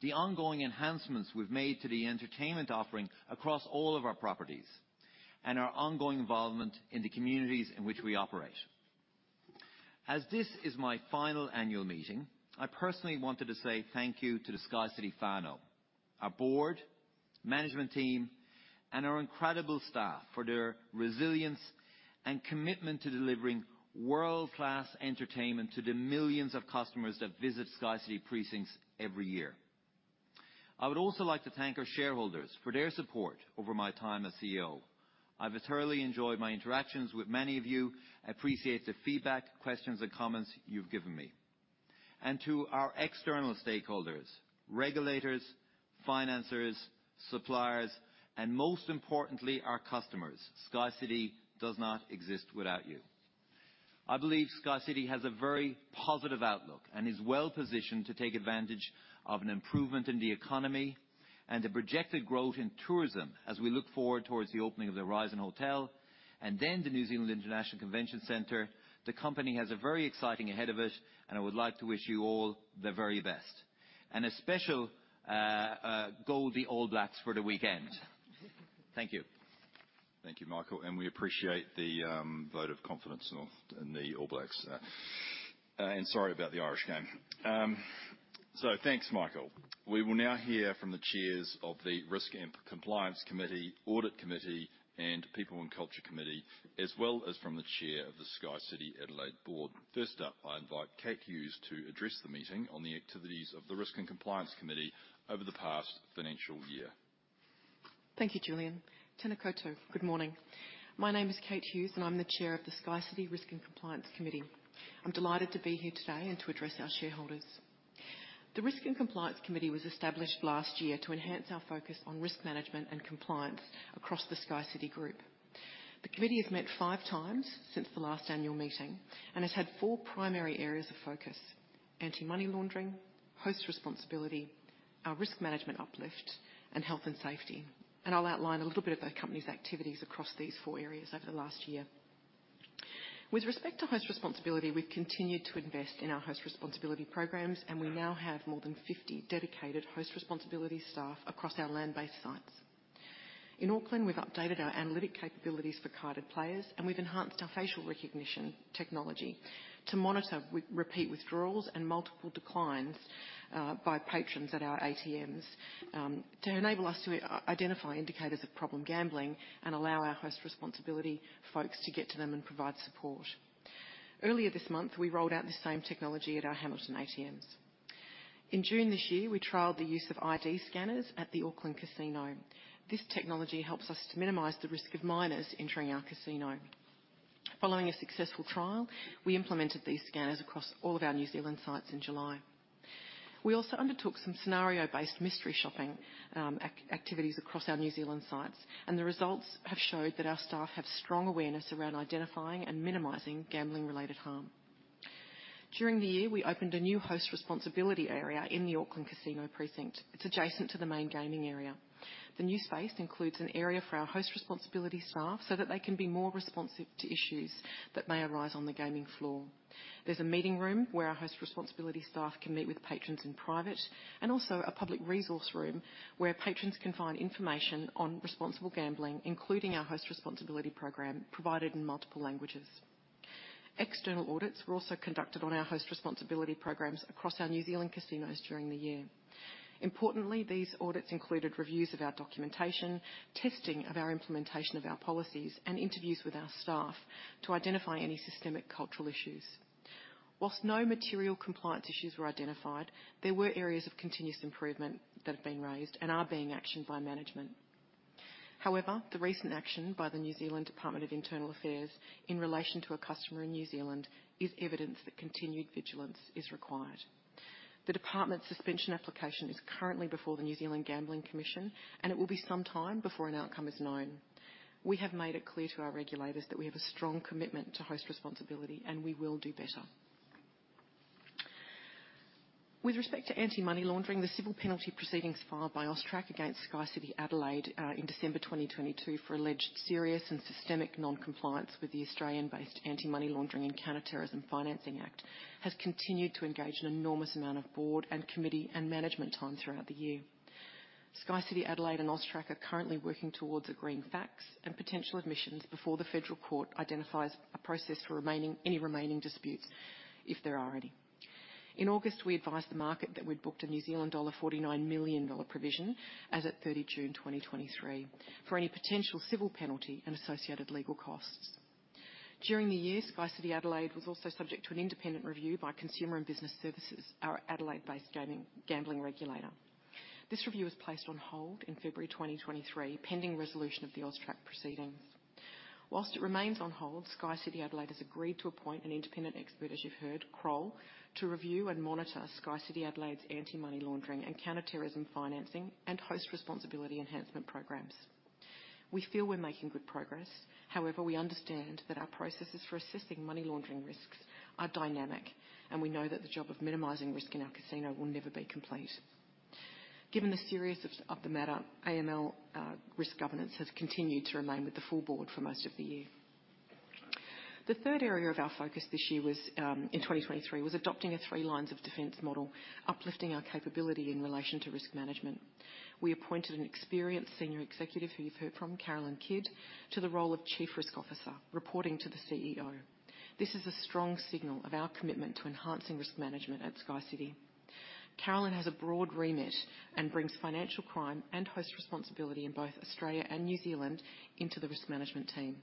the ongoing enhancements we've made to the entertainment offering across all of our properties, and our ongoing involvement in the communities in which we operate. As this is my final annual meeting, I personally wanted to say thank you to the SkyCity whānau, our board, management team, and our incredible staff for their resilience and commitment to delivering world-class entertainment to the millions of customers that visit SkyCity precincts every year. I would also like to thank our shareholders for their support over my time as CEO. I've thoroughly enjoyed my interactions with many of you and appreciate the feedback, questions, and comments you've given me. To our external stakeholders, regulators, financiers, suppliers, and most importantly, our customers, SkyCity does not exist without you. I believe SkyCity has a very positive outlook and is well-positioned to take advantage of an improvement in the economy and the projected growth in tourism as we look forward towards the opening of the Horizon Hotel and then the New Zealand International Convention Centre. The company has a very exciting ahead of it, and I would like to wish you all the very best. And a special go the All Blacks for the weekend. Thank you. Thank you, Michael, and we appreciate the vote of confidence in the All Blacks. Sorry about the Irish game. Thanks, Michael. We will now hear from the chairs of the Risk and Compliance Committee, Audit Committee, and People and Culture Committee, as well as from the Chair of the SkyCity Adelaide Board. First up, I invite Kate Hughes to address the meeting on the activities of the Risk and Compliance Committee over the past financial year. Thank you, Julian. Tēnā koutou. Good morning. My name is Kate Hughes, and I'm the Chair of the SkyCity Risk and Compliance Committee. I'm delighted to be here today and to address our shareholders. The Risk and Compliance Committee was established last year to enhance our focus on risk management and compliance across the SkyCity Group. The committee has met five times since the last annual meeting and has had four primary areas of focus: anti-money laundering, host responsibility, our risk management uplift, and health and safety. I'll outline a little bit of the company's activities across these four areas over the last year. With respect to host responsibility, we've continued to invest in our host responsibility programs, and we now have more than 50 dedicated host responsibility staff across our land-based sites. In Auckland, we've updated our analytic capabilities for carded players, and we've enhanced our facial recognition technology to monitor repeat withdrawals and multiple declines by patrons at our ATMs to enable us to identify indicators of problem gambling and allow our host responsibility folks to get to them and provide support. Earlier this month, we rolled out the same technology at our Hamilton ATMs. In June this year, we trialed the use of ID scanners at the Auckland Casino. This technology helps us to minimize the risk of minors entering our casino. Following a successful trial, we implemented these scanners across all of our New Zealand sites in July. We also undertook some scenario-based mystery shopping activities across our New Zealand sites, and the results have showed that our staff have strong awareness around identifying and minimizing gambling-related harm. During the year, we opened a new host responsibility area in the Auckland Casino precinct. It's adjacent to the main gaming area. The new space includes an area for our host responsibility staff, so that they can be more responsive to issues that may arise on the gaming floor. There's a meeting room where our host responsibility staff can meet with patrons in private, and also a public resource room, where patrons can find information on responsible gambling, including our host responsibility program, provided in multiple languages. External audits were also conducted on our host responsibility programs across our New Zealand casinos during the year. Importantly, these audits included reviews of our documentation, testing of our implementation of our policies, and interviews with our staff to identify any systemic cultural issues. While no material compliance issues were identified, there were areas of continuous improvement that have been raised and are being actioned by management. However, the recent action by the New Zealand Department of Internal Affairs in relation to a customer in New Zealand is evidence that continued vigilance is required. The department's suspension application is currently before the New Zealand Gambling Commission, and it will be some time before an outcome is known. We have made it clear to our regulators that we have a strong commitment to host responsibility, and we will do better. With respect to anti-money laundering, the civil penalty proceedings filed by AUSTRAC against SkyCity Adelaide in December 2022, for alleged serious and systemic non-compliance with the Australian-based Anti-Money Laundering and Counter-Terrorism Financing Act, has continued to engage an enormous amount of board and committee and management time throughout the year. SkyCity Adelaide and AUSTRAC are currently working towards agreeing facts and potential admissions before the Federal Court identifies a process for any remaining disputes, if there are any. In August, we advised the market that we'd booked a New Zealand dollar 49 million provision as at 30 June 2023, for any potential civil penalty and associated legal costs. During the year, SkyCity Adelaide was also subject to an independent review by Consumer and Business Services, our Adelaide-based gaming, gambling regulator. This review was placed on hold in February 2023, pending resolution of the AUSTRAC proceedings. While it remains on hold, SkyCity Adelaide has agreed to appoint an independent expert, as you've heard, Kroll, to review and monitor SkyCity Adelaide's anti-money laundering and counter-terrorism financing, and host responsibility enhancement programs. We feel we're making good progress. However, we understand that our processes for assessing money laundering risks are dynamic, and we know that the job of minimizing risk in our casino will never be complete... Given the seriousness of the matter, AML risk governance has continued to remain with the full board for most of the year. The third area of our focus this year was, in 2023, adopting a three lines of defense model, uplifting our capability in relation to risk management. We appointed an experienced senior executive, who you've heard from, Carolyn Kidd, to the role of Chief Risk Officer, reporting to the CEO. This is a strong signal of our commitment to enhancing risk management at SkyCity. Carolyn has a broad remit and brings financial crime and host responsibility in both Australia and New Zealand into the risk management team.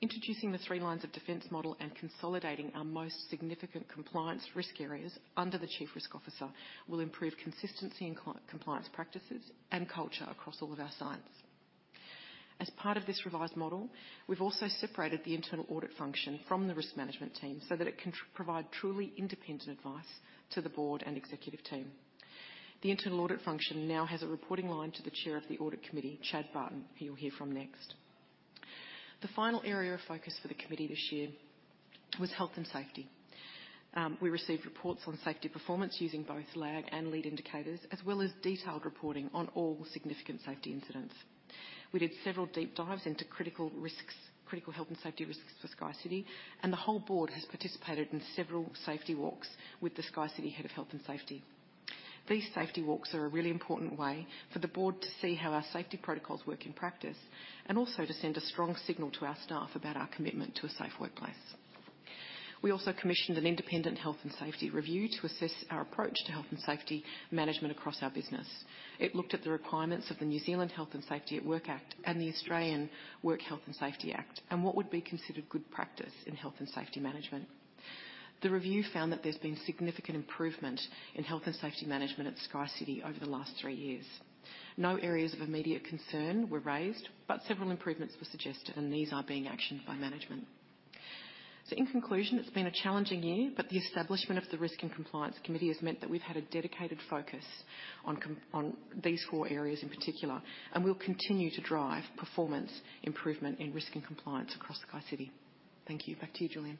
Introducing the Three Lines of Defense model and consolidating our most significant compliance risk areas under the Chief Risk Officer, will improve consistency and compliance practices and culture across all of our sites. As part of this revised model, we've also separated the internal audit function from the risk management team, so that it can provide truly independent advice to the board and executive team. The internal audit function now has a reporting line to the Chair of the Audit Committee, Chad Barton, who you'll hear from next. The final area of focus for the committee this year was health and safety. We received reports on safety performance using both lag and lead indicators, as well as detailed reporting on all significant safety incidents. We did several deep dives into critical risks, critical health and safety risks for SkyCity, and the whole board has participated in several safety walks with the SkyCity head of health and safety. These safety walks are a really important way for the board to see how our safety protocols work in practice, and also to send a strong signal to our staff about our commitment to a safe workplace. We also commissioned an independent health and safety review to assess our approach to health and safety management across our business. It looked at the requirements of the New Zealand Health and Safety at Work Act, and the Australian Work Health and Safety Act, and what would be considered good practice in health and safety management. The review found that there's been significant improvement in health and safety management at SkyCity over the last three years. No areas of immediate concern were raised, but several improvements were suggested, and these are being actioned by management. So in conclusion, it's been a challenging year, but the establishment of the Risk and Compliance Committee has meant that we've had a dedicated focus on these four areas in particular, and we'll continue to drive performance improvement in risk and compliance across SkyCity. Thank you. Back to you, Julian.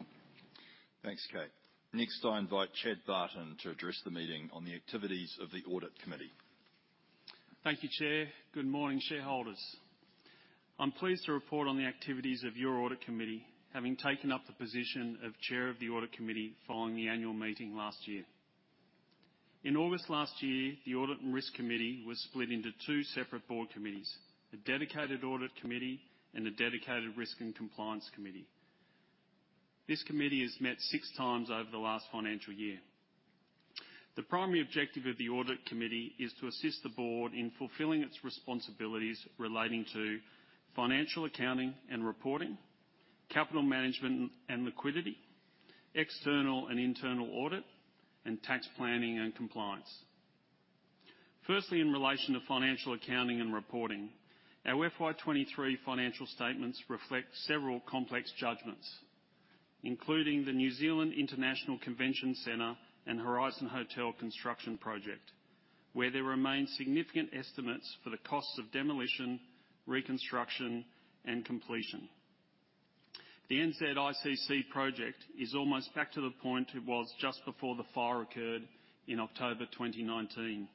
Thanks, Kate. Next, I invite Chad Barton to address the meeting on the activities of the Audit Committee. Thank you, Chair. Good morning, shareholders. I'm pleased to report on the activities of your audit committee, having taken up the position of chair of the audit committee following the annual meeting last year. In August last year, the Audit and Risk Committee was split into two separate board committees: a dedicated audit committee and a dedicated risk and compliance committee. This committee has met six times over the last financial year. The primary objective of the audit committee is to assist the board in fulfilling its responsibilities relating to financial accounting and reporting, capital management and liquidity, external and internal audit, and tax planning and compliance. Firstly, in relation to financial accounting and reporting, our FY23 financial statements reflect several complex judgments, including the New Zealand International Convention Centre and Horizon Hotel construction project, where there remains significant estimates for the costs of demolition, reconstruction, and completion. The NZICC project is almost back to the point it was just before the fire occurred in October 2019,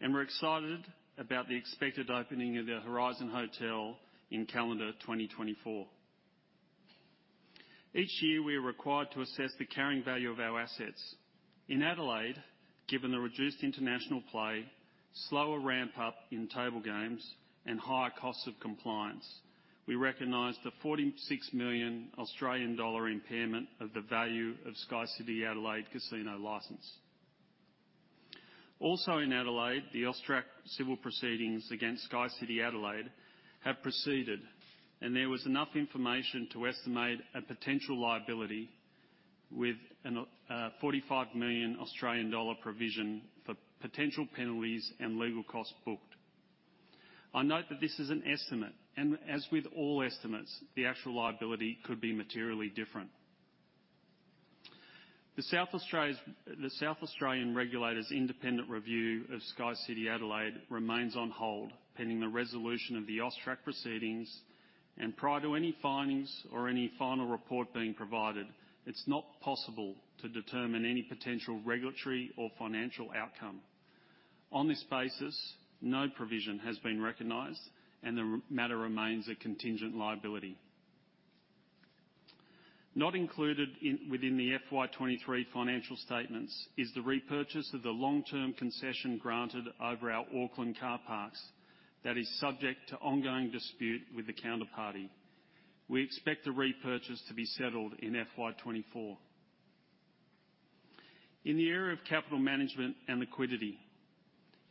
and we're excited about the expected opening of the Horizon Hotel in calendar 2024. Each year, we are required to assess the carrying value of our assets. In Adelaide, given the reduced international play, slower ramp up in table games, and higher costs of compliance, we recognize the 46 million Australian dollar impairment of the value of SkyCity Adelaide casino license. Also in Adelaide, the AUSTRAC civil proceedings against SkyCity Adelaide have proceeded, and there was enough information to estimate a potential liability with an, forty-five million Australian dollar provision for potential penalties and legal costs booked. I note that this is an estimate, and as with all estimates, the actual liability could be materially different. The South Australian Regulator's independent review of SkyCity Adelaide remains on hold, pending the resolution of the AUSTRAC proceedings, and prior to any findings or any final report being provided, it's not possible to determine any potential regulatory or financial outcome. On this basis, no provision has been recognized, and the matter remains a contingent liability. Not included in, within the FY 2023 financial statements is the repurchase of the long-term concession granted over our Auckland car parks that is subject to ongoing dispute with the counterparty. We expect the repurchase to be settled in FY 2024. In the area of capital management and liquidity,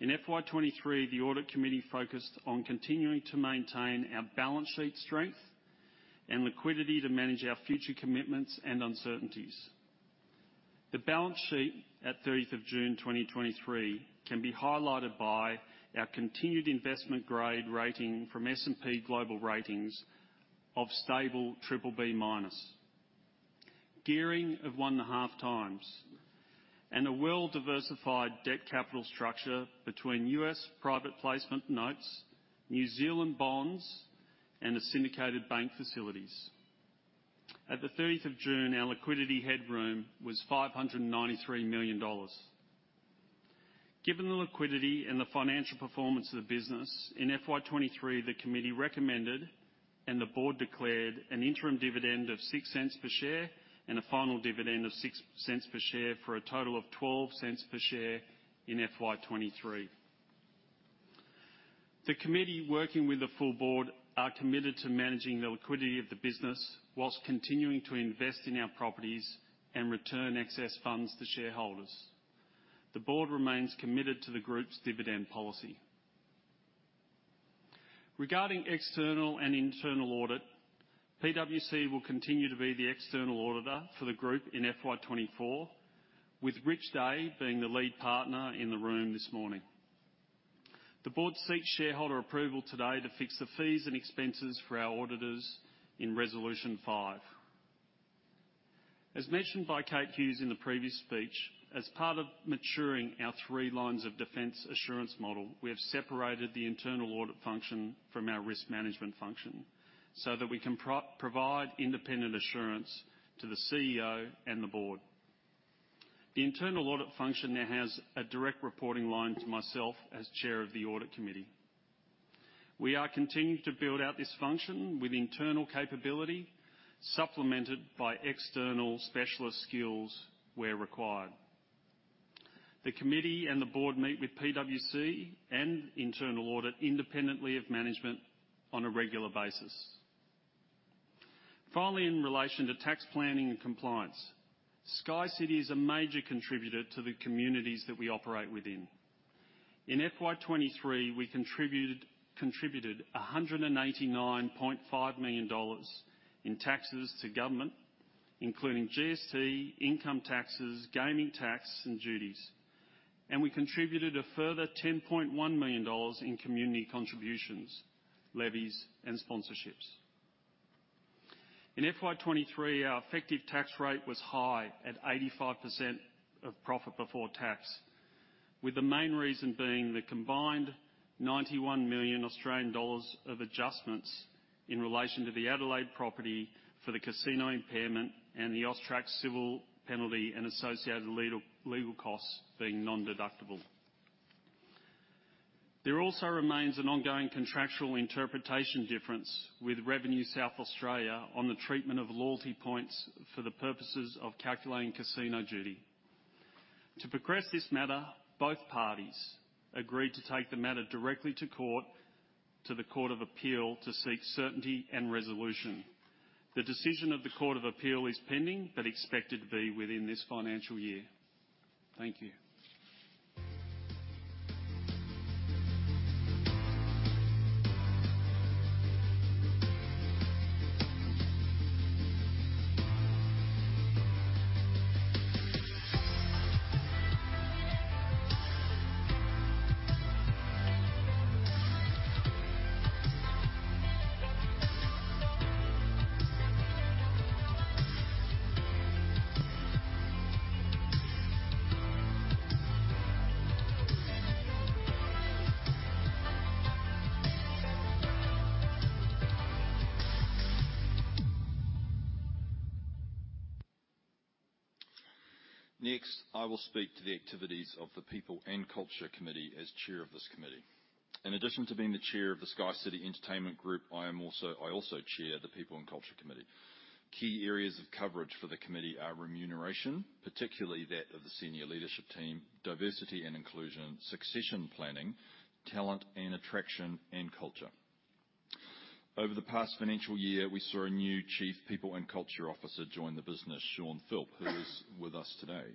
in FY 2023, the audit committee focused on continuing to maintain our balance sheet strength and liquidity to manage our future commitments and uncertainties. The balance sheet at 30th of June 2023 can be highlighted by our continued investment grade rating from S&P Global Ratings of stable BBB-, gearing of 1.5 times, and a well-diversified debt capital structure between U.S. private placement notes, New Zealand bonds, and the syndicated bank facilities. At the 30th of June, our liquidity headroom was 593 million dollars. Given the liquidity and the financial performance of the business, in FY 2023, the committee recommended, and the board declared, an interim dividend of 0.06 per share and a final dividend of 0.06 per share, for a total of 0.12 per share in FY 2023. The committee, working with the full board, are committed to managing the liquidity of the business while continuing to invest in our properties and return excess funds to shareholders. The board remains committed to the group's dividend policy. Regarding external and internal audit, PwC will continue to be the external auditor for the group in FY 2024, with Richard Day being the lead partner in the room this morning. The board seeks shareholder approval today to fix the fees and expenses for our auditors in Resolution 5. As mentioned by Kate Hughes in the previous speech, as part of maturing our three lines of defense assurance model, we have separated the internal audit function from our risk management function so that we can provide independent assurance to the CEO and the board. The internal audit function now has a direct reporting line to myself as chair of the audit committee. We are continuing to build out this function with internal capability, supplemented by external specialist skills where required. The committee and the board meet with PwC and internal audit, independently of management, on a regular basis. Finally, in relation to tax planning and compliance, SkyCity is a major contributor to the communities that we operate within. In FY 2023, we contributed 189.5 million dollars in taxes to government, including GST, income taxes, gaming taxes, and duties. We contributed a further 10.1 million dollars in community contributions, levies, and sponsorships. In FY 2023, our effective tax rate was high, at 85% of profit before tax, with the main reason being the combined 91 million Australian dollars of adjustments in relation to the Adelaide property for the casino impairment and the AUSTRAC civil penalty and associated legal costs being non-deductible. There also remains an ongoing contractual interpretation difference with Revenue South Australia on the treatment of loyalty points for the purposes of calculating casino duty. To progress this matter, both parties agreed to take the matter directly to court, to the Court of Appeal, to seek certainty and resolution. The decision of the Court of Appeal is pending, but expected to be within this financial year. Thank you. Next, I will speak to the activities of the People and Culture Committee as Chair of this committee. In addition to being the Chair of the SkyCity Entertainment Group, I am also-- I also chair the People and Culture Committee. Key areas of coverage for the committee are remuneration, particularly that of the senior leadership team, diversity and inclusion, succession planning, talent and attraction, and culture. Over the past financial year, we saw a new Chief People and Culture Officer join the business, Shaun Philp, who is with us today.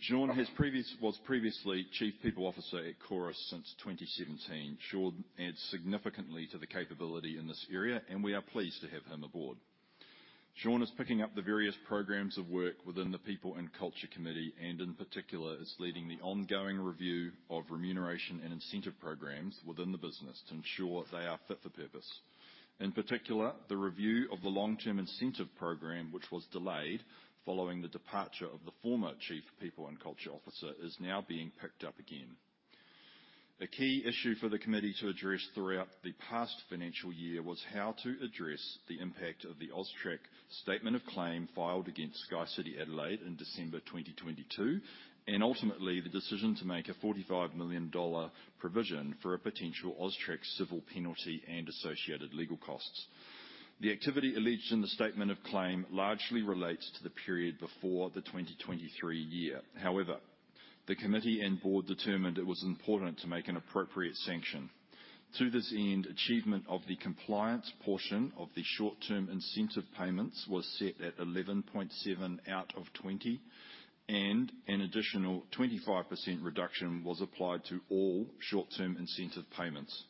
Shaun, has previous-- was previously Chief People Officer at Chorus since 2017. Shaun adds significantly to the capability in this area, and we are pleased to have him aboard. Shaun is picking up the various programs of work within the People and Culture Committee, and in particular, is leading the ongoing review of remuneration and incentive programs within the business to ensure they are fit for purpose. In particular, the review of the long-term incentive program, which was delayed following the departure of the former chief people and culture officer, is now being picked up again. A key issue for the committee to address throughout the past financial year was how to address the impact of the AUSTRAC statement of claim filed against SkyCity Adelaide in December 2022, and ultimately, the decision to make a AUD 45 million provision for a potential AUSTRAC civil penalty and associated legal costs. The activity alleged in the statement of claim largely relates to the period before the 2023 year. However, the committee and board determined it was important to make an appropriate sanction. To this end, achievement of the compliance portion of the short-term incentive payments was set at 11.7 out of 20, and an additional 25% reduction was applied to all short-term incentive payments.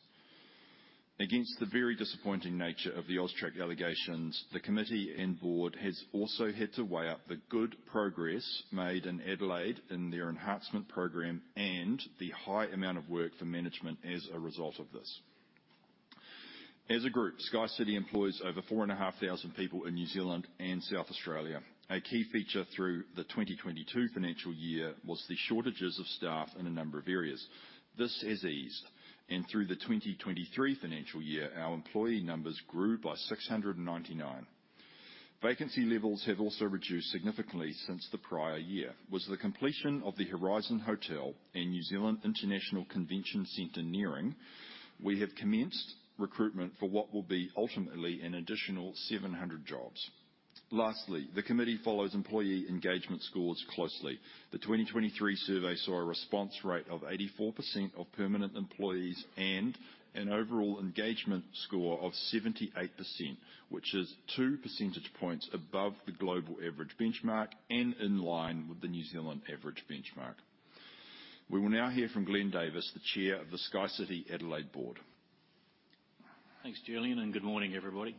Against the very disappointing nature of the AUSTRAC allegations, the committee and board has also had to weigh up the good progress made in Adelaide in their enhancement program and the high amount of work for management as a result of this. As a group, SkyCity employs over 4,500 people in New Zealand and South Australia. A key feature through the 2022 financial year was the shortages of staff in a number of areas. This has eased, and through the 2023 financial year, our employee numbers grew by 699.... Vacancy levels have also reduced significantly since the prior year. With the completion of the Horizon Hotel and New Zealand International Convention Centre nearing, we have commenced recruitment for what will be ultimately an additional 700 jobs. Lastly, the committee follows employee engagement scores closely. The 2023 survey saw a response rate of 84% of permanent employees and an overall engagement score of 78%, which is two percentage points above the global average benchmark and in line with the New Zealand average benchmark. We will now hear from Glenn Davis, the Chair of the SkyCity Adelaide Board. Thanks, Julian, and good morning, everybody.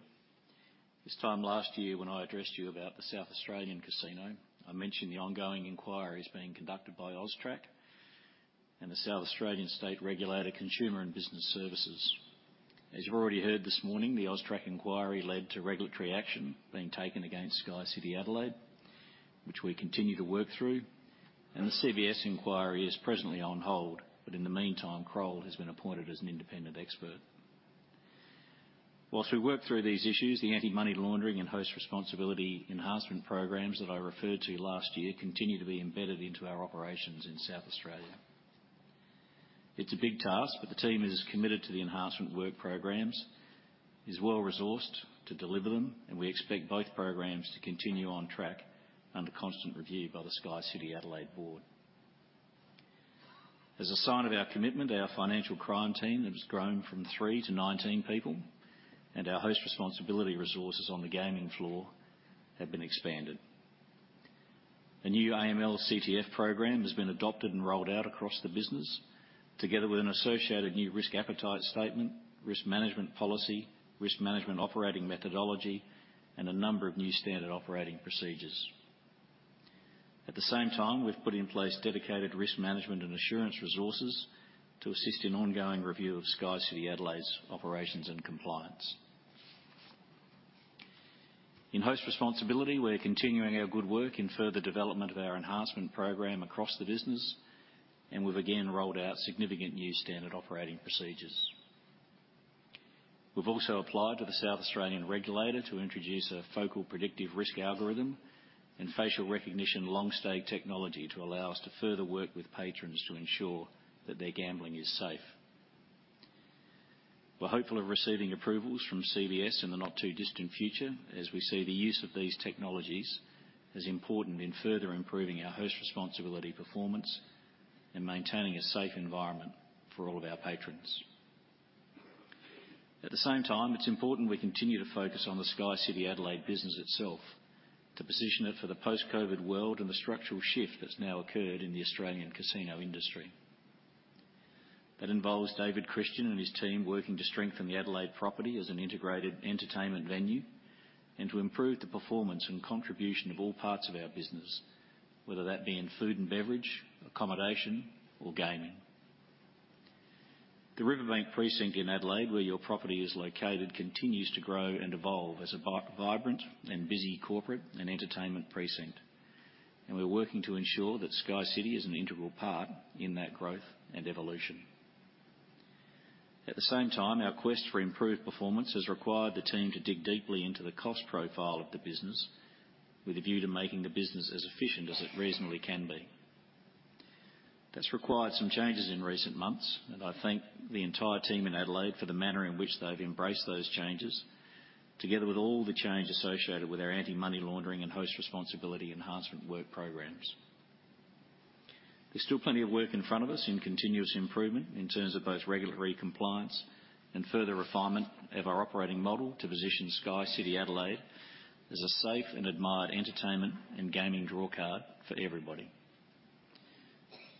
This time last year, when I addressed you about the South Australian Casino, I mentioned the ongoing inquiries being conducted by AUSTRAC and the South Australian State Regulator, Consumer and Business Services. As you've already heard this morning, the AUSTRAC inquiry led to regulatory action being taken against SkyCity Adelaide, which we continue to work through, and the CBS inquiry is presently on hold. In the meantime, Kroll has been appointed as an independent expert. While we work through these issues, the anti-money laundering and host responsibility enhancement programs that I referred to last year continue to be embedded into our operations in South Australia. It's a big task, but the team is committed to the enhancement work programs, is well-resourced to deliver them, and we expect both programs to continue on track under constant review by the SkyCity Adelaide Board. As a sign of our commitment, our financial crime team has grown from 3 to 19 people, and our host responsibility resources on the gaming floor have been expanded. A new AML/CTF program has been adopted and rolled out across the business, together with an associated new risk appetite statement, risk management policy, risk management operating methodology, and a number of new standard operating procedures. At the same time, we've put in place dedicated risk management and assurance resources to assist in ongoing review of SkyCity Adelaide's operations and compliance. In host responsibility, we're continuing our good work in further development of our enhancement program across the business, and we've again rolled out significant new standard operating procedures. We've also applied to the South Australian regulator to introduce a Focal predictive risk algorithm and facial recognition long-stay technology to allow us to further work with patrons to ensure that their gambling is safe. We're hopeful of receiving approvals from CBS in the not-too-distant future, as we see the use of these technologies as important in further improving our host responsibility, performance, and maintaining a safe environment for all of our patrons. At the same time, it's important we continue to focus on the SkyCity Adelaide business itself to position it for the post-COVID world and the structural shift that's now occurred in the Australian casino industry. That involves David Christian and his team working to strengthen the Adelaide property as an integrated entertainment venue and to improve the performance and contribution of all parts of our business, whether that be in food and beverage, accommodation, or gaming. The Riverbank Precinct in Adelaide, where your property is located, continues to grow and evolve as a vibrant and busy corporate and entertainment precinct, and we're working to ensure that SkyCity is an integral part in that growth and evolution. At the same time, our quest for improved performance has required the team to dig deeply into the cost profile of the business with a view to making the business as efficient as it reasonably can be. That's required some changes in recent months, and I thank the entire team in Adelaide for the manner in which they've embraced those changes, together with all the change associated with our anti-money laundering and host responsibility enhancement work programs. There's still plenty of work in front of us in continuous improvement in terms of both regulatory compliance and further refinement of our operating model to position SkyCity Adelaide as a safe and admired entertainment and gaming drawcard for everybody.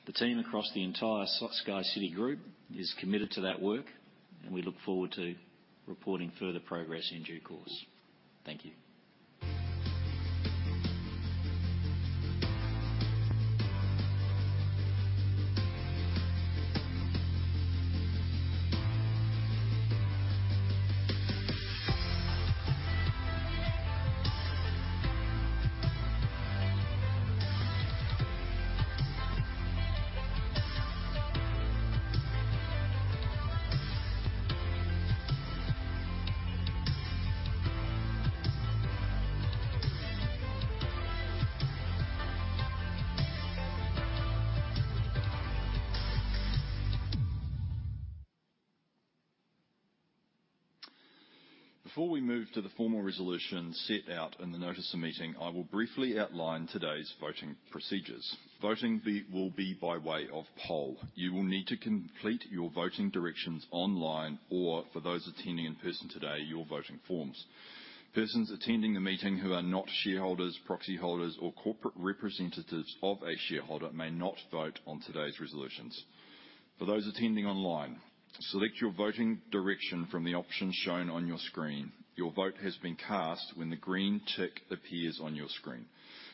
The team across the entire SkyCity Group is committed to that work, and we look forward to reporting further progress in due course. Thank you. Before we move to the formal resolution set out in the notice of meeting, I will briefly outline today's voting procedures. Voting will be by way of poll. You will need to complete your voting directions online, or for those attending in person today, your voting forms. Persons attending the meeting who are not shareholders, proxy holders, or corporate representatives of a shareholder may not vote on today's resolutions. For those attending online, select your voting direction from the options shown on your screen. Your vote has been cast when the green tick appears on your screen.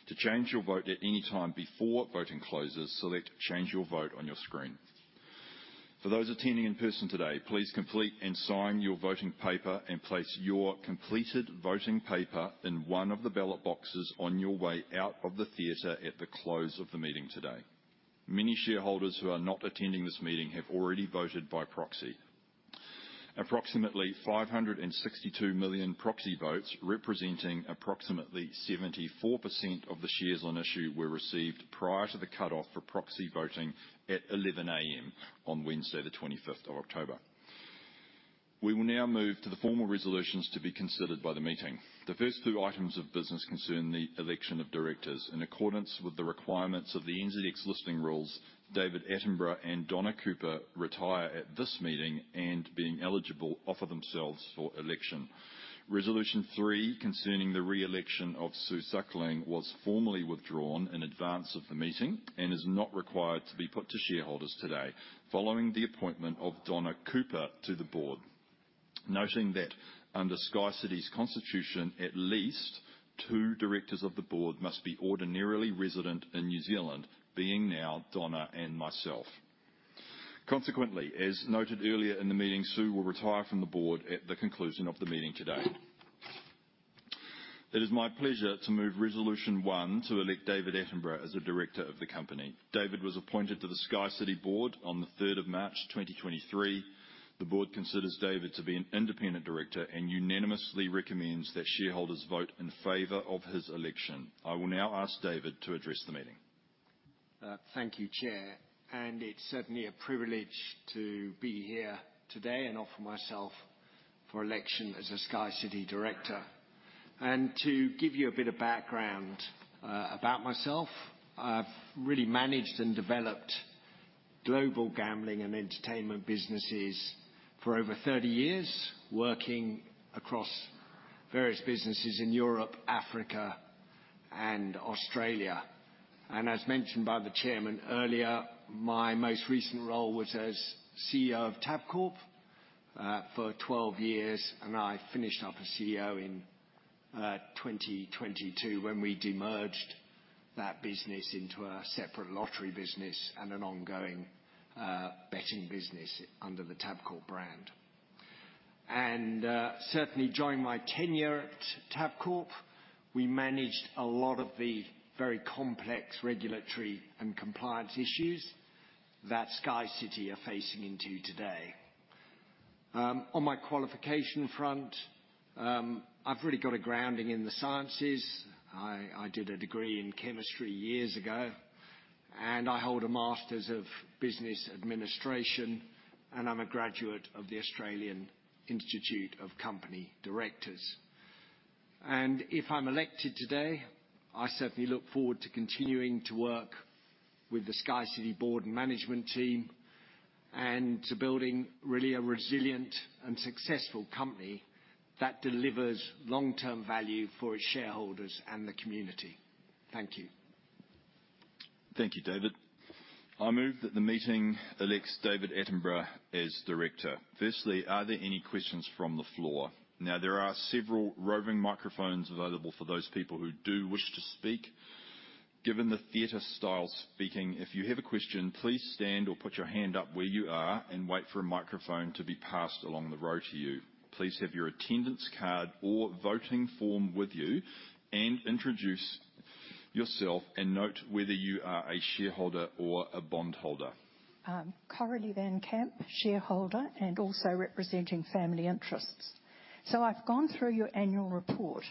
To change your vote at any time before voting closes, select Change your Vote on your screen. For those attending in person today, please complete and sign your voting paper and place your completed voting paper in one of the ballot boxes on your way out of the theater at the close of the meeting today. Many shareholders who are not attending this meeting have already voted by proxy. Approximately 562 million proxy votes, representing approximately 74% of the shares on issue, were received prior to the cutoff for proxy voting at 11:00 A.M. on Wednesday, the twenty-fifth of October. We will now move to the formal resolutions to be considered by the meeting. The first two items of business concern the election of directors. In accordance with the requirements of the NZX listing rules, David Attenborough and Donna Cooper retire at this meeting and, being eligible, offer themselves for election. Resolution three, concerning the re-election of Sue Suckling, was formally withdrawn in advance of the meeting and is not required to be put to shareholders today, following the appointment of Donna Cooper to the board. Noting that under SkyCity's constitution, at least two directors of the board must be ordinarily resident in New Zealand, being now Donna and myself. Consequently, as noted earlier in the meeting, Sue will retire from the board at the conclusion of the meeting today. It is my pleasure to move Resolution one, to elect David Attenborough as a director of the company. David was appointed to the SkyCity board on the third of March, 2023. The board considers David to be an independent director and unanimously recommends that shareholders vote in favor of his election. I will now ask David to address the meeting. Thank you, Chair, and it's certainly a privilege to be here today and offer myself for election as a SkyCity director. And to give you a bit of background, about myself, I've really managed and developed global gambling and entertainment businesses for over 30 years, working across various businesses in Europe, Africa, and Australia. And as mentioned by the chairman earlier, my most recent role was as CEO of Tabcorp, for 12 years, and I finished up as CEO in, 2022, when we de-merged that business into a separate lottery business and an ongoing, betting business under the Tabcorp brand. And, certainly during my tenure at Tabcorp, we managed a lot of the very complex regulatory and compliance issues that SkyCity are facing into today. On my qualification front, I've really got a grounding in the sciences. I did a degree in chemistry years ago, and I hold a Master's of Business Administration, and I'm a graduate of the Australian Institute of Company Directors. And if I'm elected today, I certainly look forward to continuing to work with the SkyCity board and management team, and to building really a resilient and successful company that delivers long-term value for its shareholders and the community. Thank you. Thank you, David. I move that the meeting elects David Attenborough as director. Firstly, are there any questions from the floor? Now, there are several roving microphones available for those people who do wish to speak. Given the theater-style speaking, if you have a question, please stand or put your hand up where you are and wait for a microphone to be passed along the row to you. Please have your attendance card or voting form with you, and introduce yourself and note whether you are a shareholder or a bondholder. Coralie Van Camp, shareholder, and also representing family interests. So I've gone through your annual report,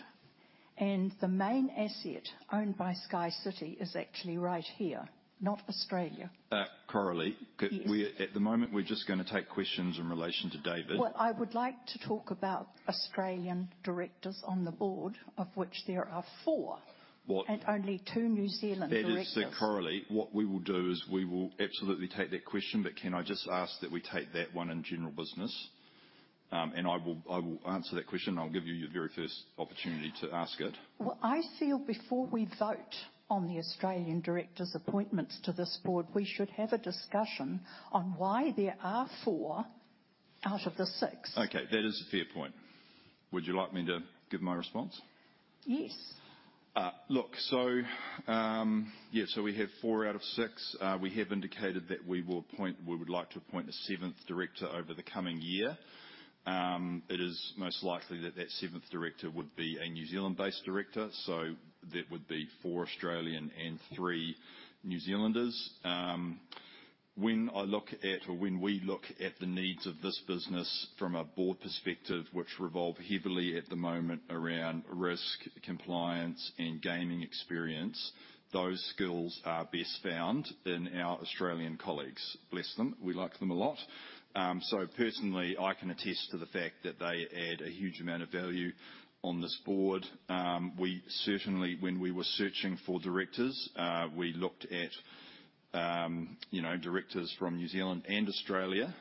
and the main asset owned by SkyCity is actually right here, not Australia. Uh, Coralie- Yes. At the moment, we're just gonna take questions in relation to David. Well, I would like to talk about Australian directors on the board, of which there are four- Well- and only two New Zealand directors. That is, so Coralie, what we will do is we will absolutely take that question, but can I just ask that we take that one in general business? And I will, I will answer that question. I'll give you your very first opportunity to ask it. Well, I feel before we vote on the Australian directors' appointments to this board, we should have a discussion on why there are 4 out of the 6. Okay, that is a fair point. Would you like me to give my response? Yes. Look, so, yeah, so we have four out of six. We have indicated that we will appoint—we would like to appoint a seventh director over the coming year. It is most likely that that seventh director would be a New Zealand-based director, so that would be four Australian and three New Zealanders. When I look at or when we look at the needs of this business from a board perspective, which revolve heavily at the moment around risk, compliance, and gaming experience, those skills are best found in our Australian colleagues. Bless them. We like them a lot. So personally, I can attest to the fact that they add a huge amount of value on this board. We certainly, when we were searching for directors, we looked at, you know, directors from New Zealand and Australia.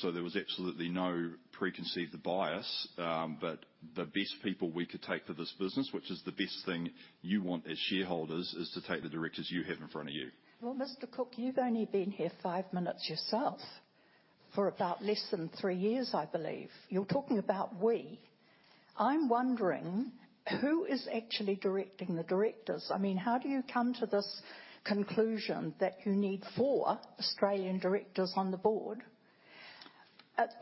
So there was absolutely no preconceived bias. But the best people we could take for this business, which is the best thing you want as shareholders, is to take the directors you have in front of you. Well, Mr. Cook, you've only been here five minutes yourself, for about less than three years, I believe. You're talking about we. I'm wondering, who is actually directing the directors? I mean, how do you come to this conclusion that you need four Australian directors on the board?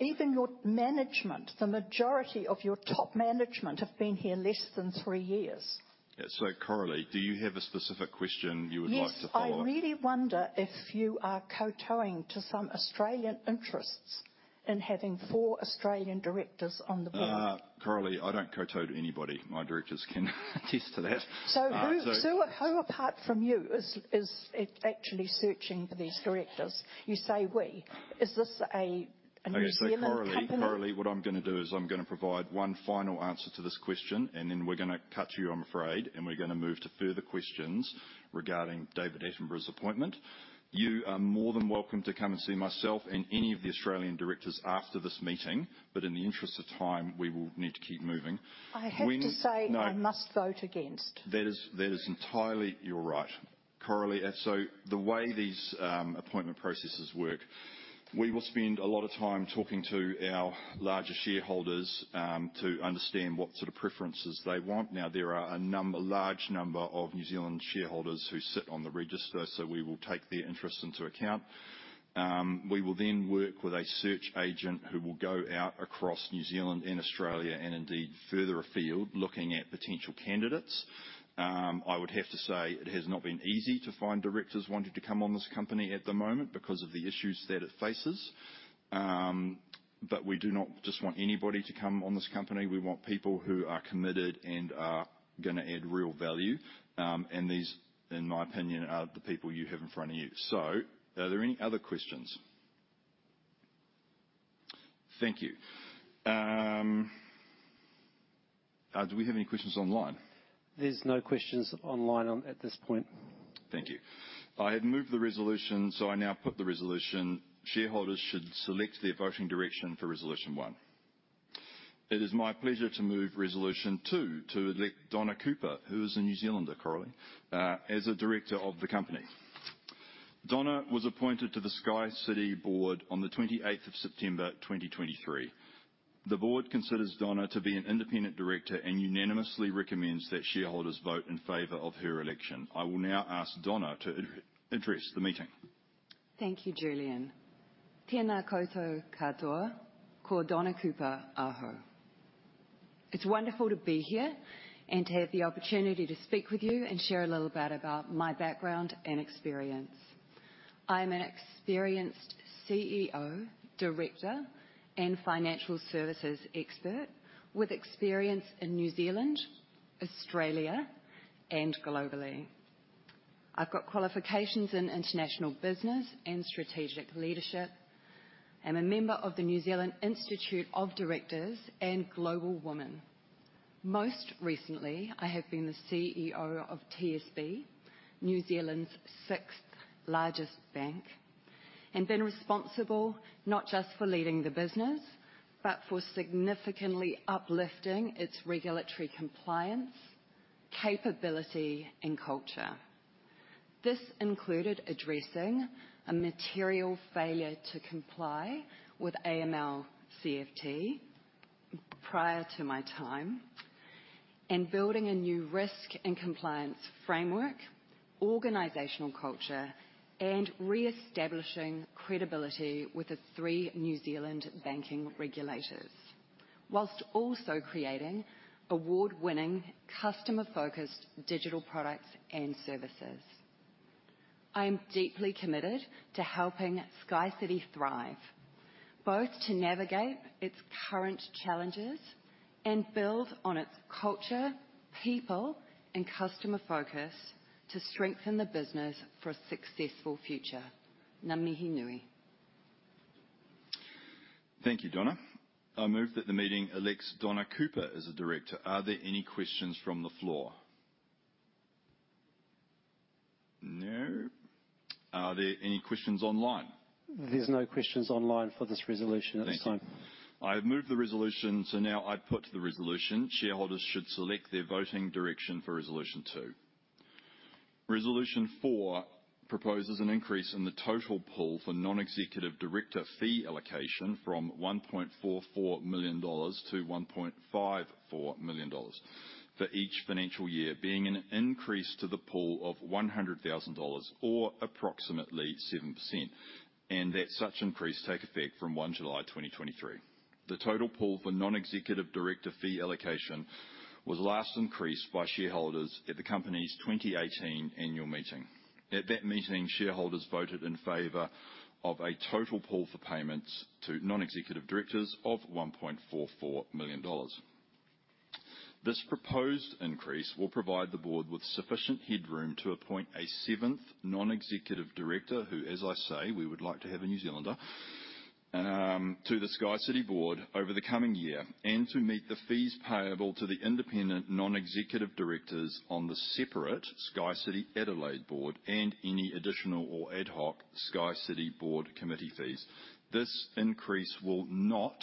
Even your management, the majority of your top management have been here less than three years. Yeah, so Coralie, do you have a specific question you would like to follow up? Yes. I really wonder if you are kowtowing to some Australian interests... and having four Australian directors on the board? Coralie, I don't kowtow to anybody. My directors can attest to that. So- So who apart from you is actually searching for these directors? You say "we," is this a New Zealand company? Okay, so Coralie, Coralie, what I'm gonna do is I'm gonna provide one final answer to this question, and then we're gonna cut you, I'm afraid, and we're gonna move to further questions regarding David Attenborough's appointment. You are more than welcome to come and see myself and any of the Australian directors after this meeting, but in the interest of time, we will need to keep moving. I have to say- No. I must vote against. That is, that is entirely your right, Coralie. And so the way these appointment processes work, we will spend a lot of time talking to our larger shareholders to understand what sort of preferences they want. Now, there are a number, large number of New Zealand shareholders who sit on the register, so we will take their interests into account. We will then work with a search agent who will go out across New Zealand and Australia, and indeed further afield, looking at potential candidates. I would have to say it has not been easy to find directors wanting to come on this company at the moment because of the issues that it faces. But we do not just want anybody to come on this company. We want people who are committed and are gonna add real value. These, in my opinion, are the people you have in front of you. Are there any other questions? Thank you. Do we have any questions online? There's no questions online on, at this point. Thank you. I have moved the resolution, so I now put the resolution. Shareholders should select their voting direction for resolution one. It is my pleasure to move resolution two, to elect Donna Cooper, who is a New Zealander, Coralie, as a director of the company. Donna was appointed to the SkyCity board on the twenty-eighth of September, 2023. The board considers Donna to be an independent director and unanimously recommends that shareholders vote in favor of her election. I will now ask Donna to address the meeting. Thank you, Julian. Tena koutou katoa. Ko Donna Cooper ahau. It's wonderful to be here and to have the opportunity to speak with you and share a little bit about my background and experience. I'm an experienced CEO, director, and financial services expert with experience in New Zealand, Australia, and globally. I've got qualifications in international business and strategic leadership. I'm a member of the New Zealand Institute of Directors and Global Women. Most recently, I have been the CEO of TSB, New Zealand's sixth largest bank, and been responsible not just for leading the business, but for significantly uplifting its regulatory compliance, capability, and culture. This included addressing a material failure to comply with AML/CTF prior to my time, and building a new risk and compliance framework, organizational culture, and reestablishing credibility with the three New Zealand banking regulators. Whilst also creating award-winning, customer-focused digital products and services. I am deeply committed to helping SkyCity thrive, both to navigate its current challenges and build on its culture, people, and customer focus to strengthen the business for a successful future. Ngā mihi nui. Thank you, Donna. I move that the meeting elects Donna Cooper as a director. Are there any questions from the floor? No. Are there any questions online? There's no questions online for this resolution at this time. Thank you. I have moved the resolution, so now I put the resolution. Shareholders should select their voting direction for resolution two. Resolution four proposes an increase in the total pool for non-executive director fee allocation from 1.44 million dollars to 1.54 million dollars for each financial year, being an increase to the pool of 100,000 dollars or approximately 7%, and that such increase take effect from 1 July 2023. The total pool for non-executive director fee allocation was last increased by shareholders at the company's 2018 annual meeting. At that meeting, shareholders voted in favor of a total pool for payments to non-executive directors of 1.44 million dollars. This proposed increase will provide the board with sufficient headroom to appoint a seventh non-executive director, who, as I say, we would like to have a New Zealander to the SkyCity board over the coming year, and to meet the fees payable to the independent non-executive directors on the separate SkyCity Adelaide board, and any additional or ad hoc SkyCity board committee fees. This increase will not,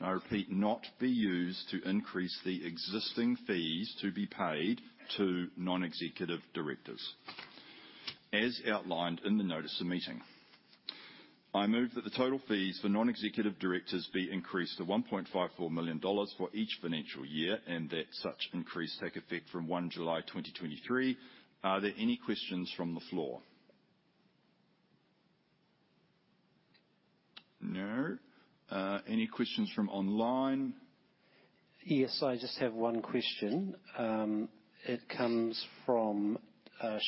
I repeat, not be used to increase the existing fees to be paid to non-executive directors. As outlined in the notice of meeting, I move that the total fees for non-executive directors be increased to 1.54 million dollars for each financial year, and that such increase take effect from 1 July 2023. Are there any questions from the floor? No. Any questions from online?... Yes, I just have one question. It comes from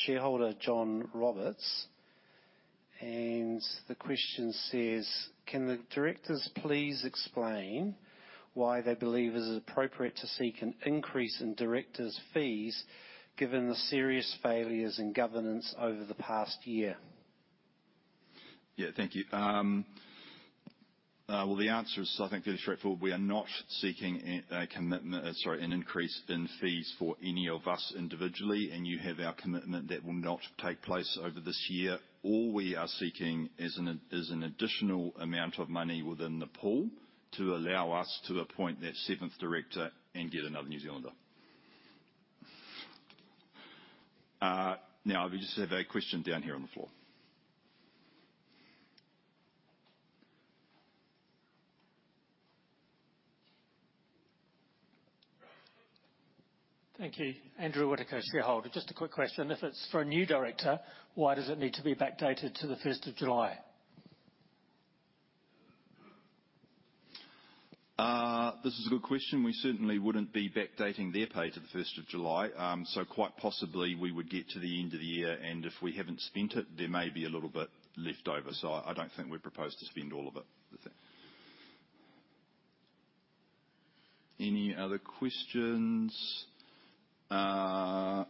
shareholder John Roberts, and the question says: "Can the directors please explain why they believe it is appropriate to seek an increase in directors' fees, given the serious failures in governance over the past year? Yeah. Thank you. Well, the answer is, I think, pretty straightforward. We are not seeking a commitment, sorry, an increase in fees for any of us individually, and you have our commitment that will not take place over this year. All we are seeking is an additional amount of money within the pool to allow us to appoint that seventh director and get another New Zealander. Now, we just have a question down here on the floor. Thank you. Andrew Whitaker, shareholder. Just a quick question: If it's for a new director, why does it need to be backdated to the first of July? This is a good question. We certainly wouldn't be backdating their pay to the first of July. So quite possibly, we would get to the end of the year, and if we haven't spent it, there may be a little bit left over, so I, I don't think we propose to spend all of it. Any other questions? Okay.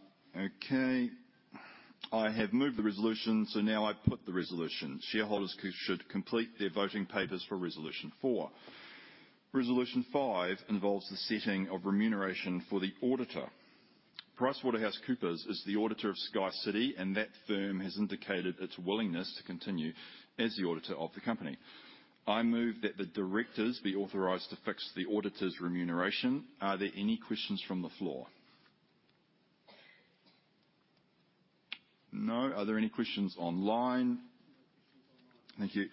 I have moved the resolution, so now I put the resolution. Shareholders should complete their voting papers for resolution four. Resolution five involves the setting of remuneration for the auditor. PricewaterhouseCoopers is the auditor of SkyCity, and that firm has indicated its willingness to continue as the auditor of the company. I move that the directors be authorized to fix the auditor's remuneration. Are there any questions from the floor? No. Are there any questions online? Thank you.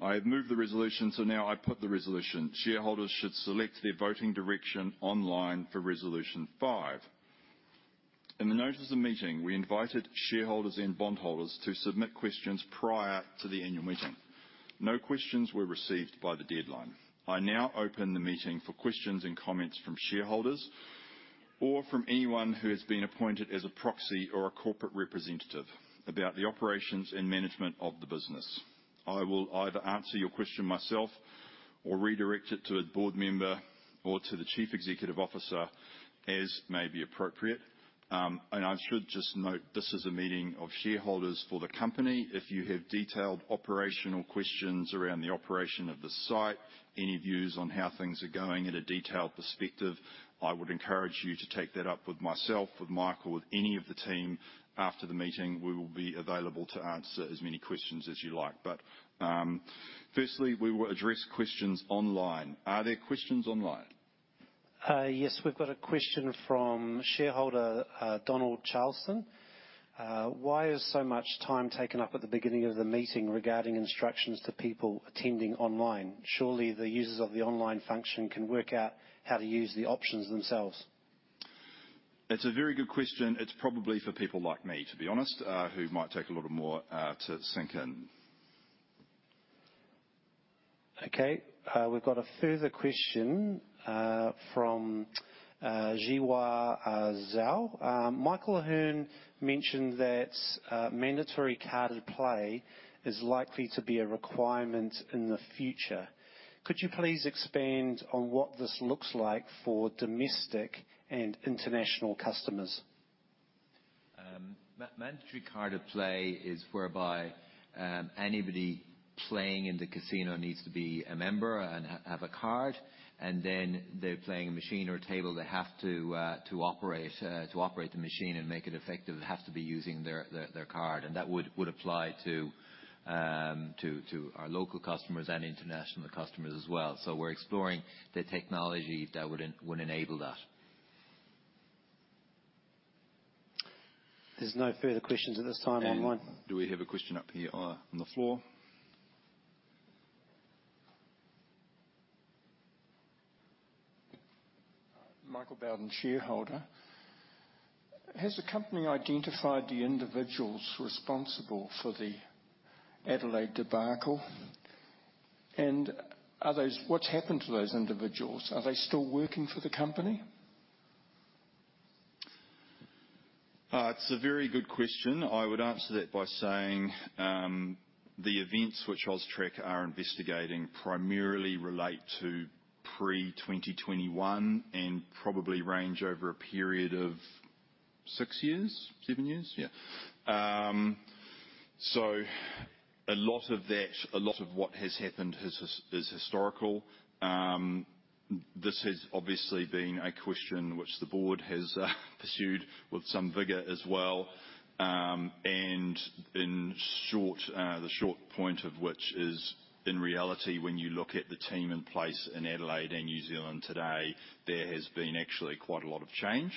I have moved the resolution, so now I put the resolution. Shareholders should select their voting direction online for resolution 5. In the notice of the meeting, we invited shareholders and bondholders to submit questions prior to the annual meeting. No questions were received by the deadline. I now open the meeting for questions and comments from shareholders or from anyone who has been appointed as a proxy or a corporate representative about the operations and management of the business. I will either answer your question myself or redirect it to a board member or to the Chief Executive Officer, as may be appropriate. And I should just note, this is a meeting of shareholders for the company. If you have detailed operational questions around the operation of the site, any views on how things are going at a detailed perspective, I would encourage you to take that up with myself, with Mike, or with any of the team. After the meeting, we will be available to answer as many questions as you like. But, firstly, we will address questions online. Are there questions online? Yes. We've got a question from shareholder Donald Charleston: Why is so much time taken up at the beginning of the meeting regarding instructions to people attending online? Surely, the users of the online function can work out how to use the options themselves. It's a very good question. It's probably for people like me, to be honest, who might take a little more to sink in. Okay, we've got a further question from Jiwa Zhao. Michael Ahearne mentioned that mandatory carded play is likely to be a requirement in the future. Could you please expand on what this looks like for domestic and international customers? Mandatory carded play is whereby anybody playing in the casino needs to be a member and have a card, and then they're playing a machine or a table. They have to operate the machine and make it effective, they have to be using their card, and that would apply to our local customers and international customers as well. So we're exploring the technology that would enable that. There's no further questions at this time online. Do we have a question up here on the floor? Michael Bowden, shareholder. Has the company identified the individuals responsible for the Adelaide debacle? And are those—what's happened to those individuals? Are they still working for the company? It's a very good question. I would answer that by saying, the events which AUSTRAC are investigating primarily relate to pre-2021 and probably range over a period of six years, seven years? Yeah. So a lot of that, a lot of what has happened is historical. This has obviously been a question which the board has pursued with some vigor as well. And in short, the short point of which is, in reality, when you look at the team in place in Adelaide and New Zealand today, there has been actually quite a lot of change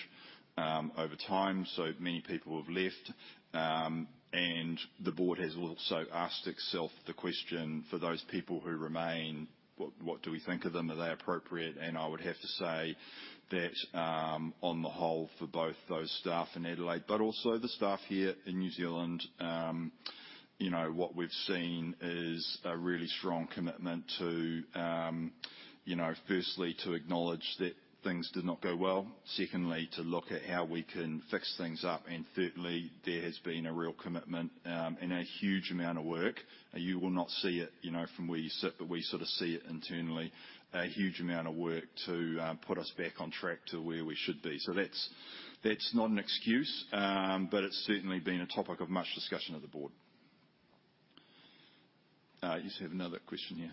over time. So many people have left. And the board has also asked itself the question: For those people who remain, what do we think of them? Are they appropriate? And I would have to say that, on the whole, for both those staff in Adelaide, but also the staff here in New Zealand, you know, what we've seen is a really strong commitment to, you know, firstly, to acknowledge that things did not go well. Secondly, to look at how we can fix things up. And thirdly, there has been a real commitment, and a huge amount of work. You will not see it, you know, from where you sit, but we sort of see it internally. A huge amount of work to put us back on track to where we should be. So that's, that's not an excuse, but it's certainly been a topic of much discussion of the board. I just have another question here.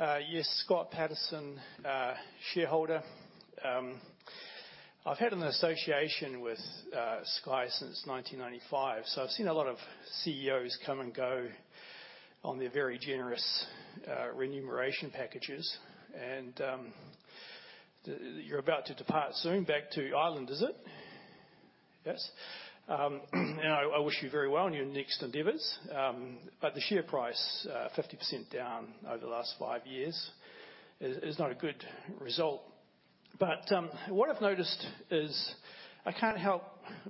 Yes, Scott Patterson, shareholder. I've had an association with Sky since 1995. So I've seen a lot of CEOs come and go on their very generous remuneration packages. And you're about to depart soon back to Ireland, is it? Yes. And I wish you very well on your next endeavors. But the share price 50% down over the last 5 years is not a good result. But what I've noticed is, I can't help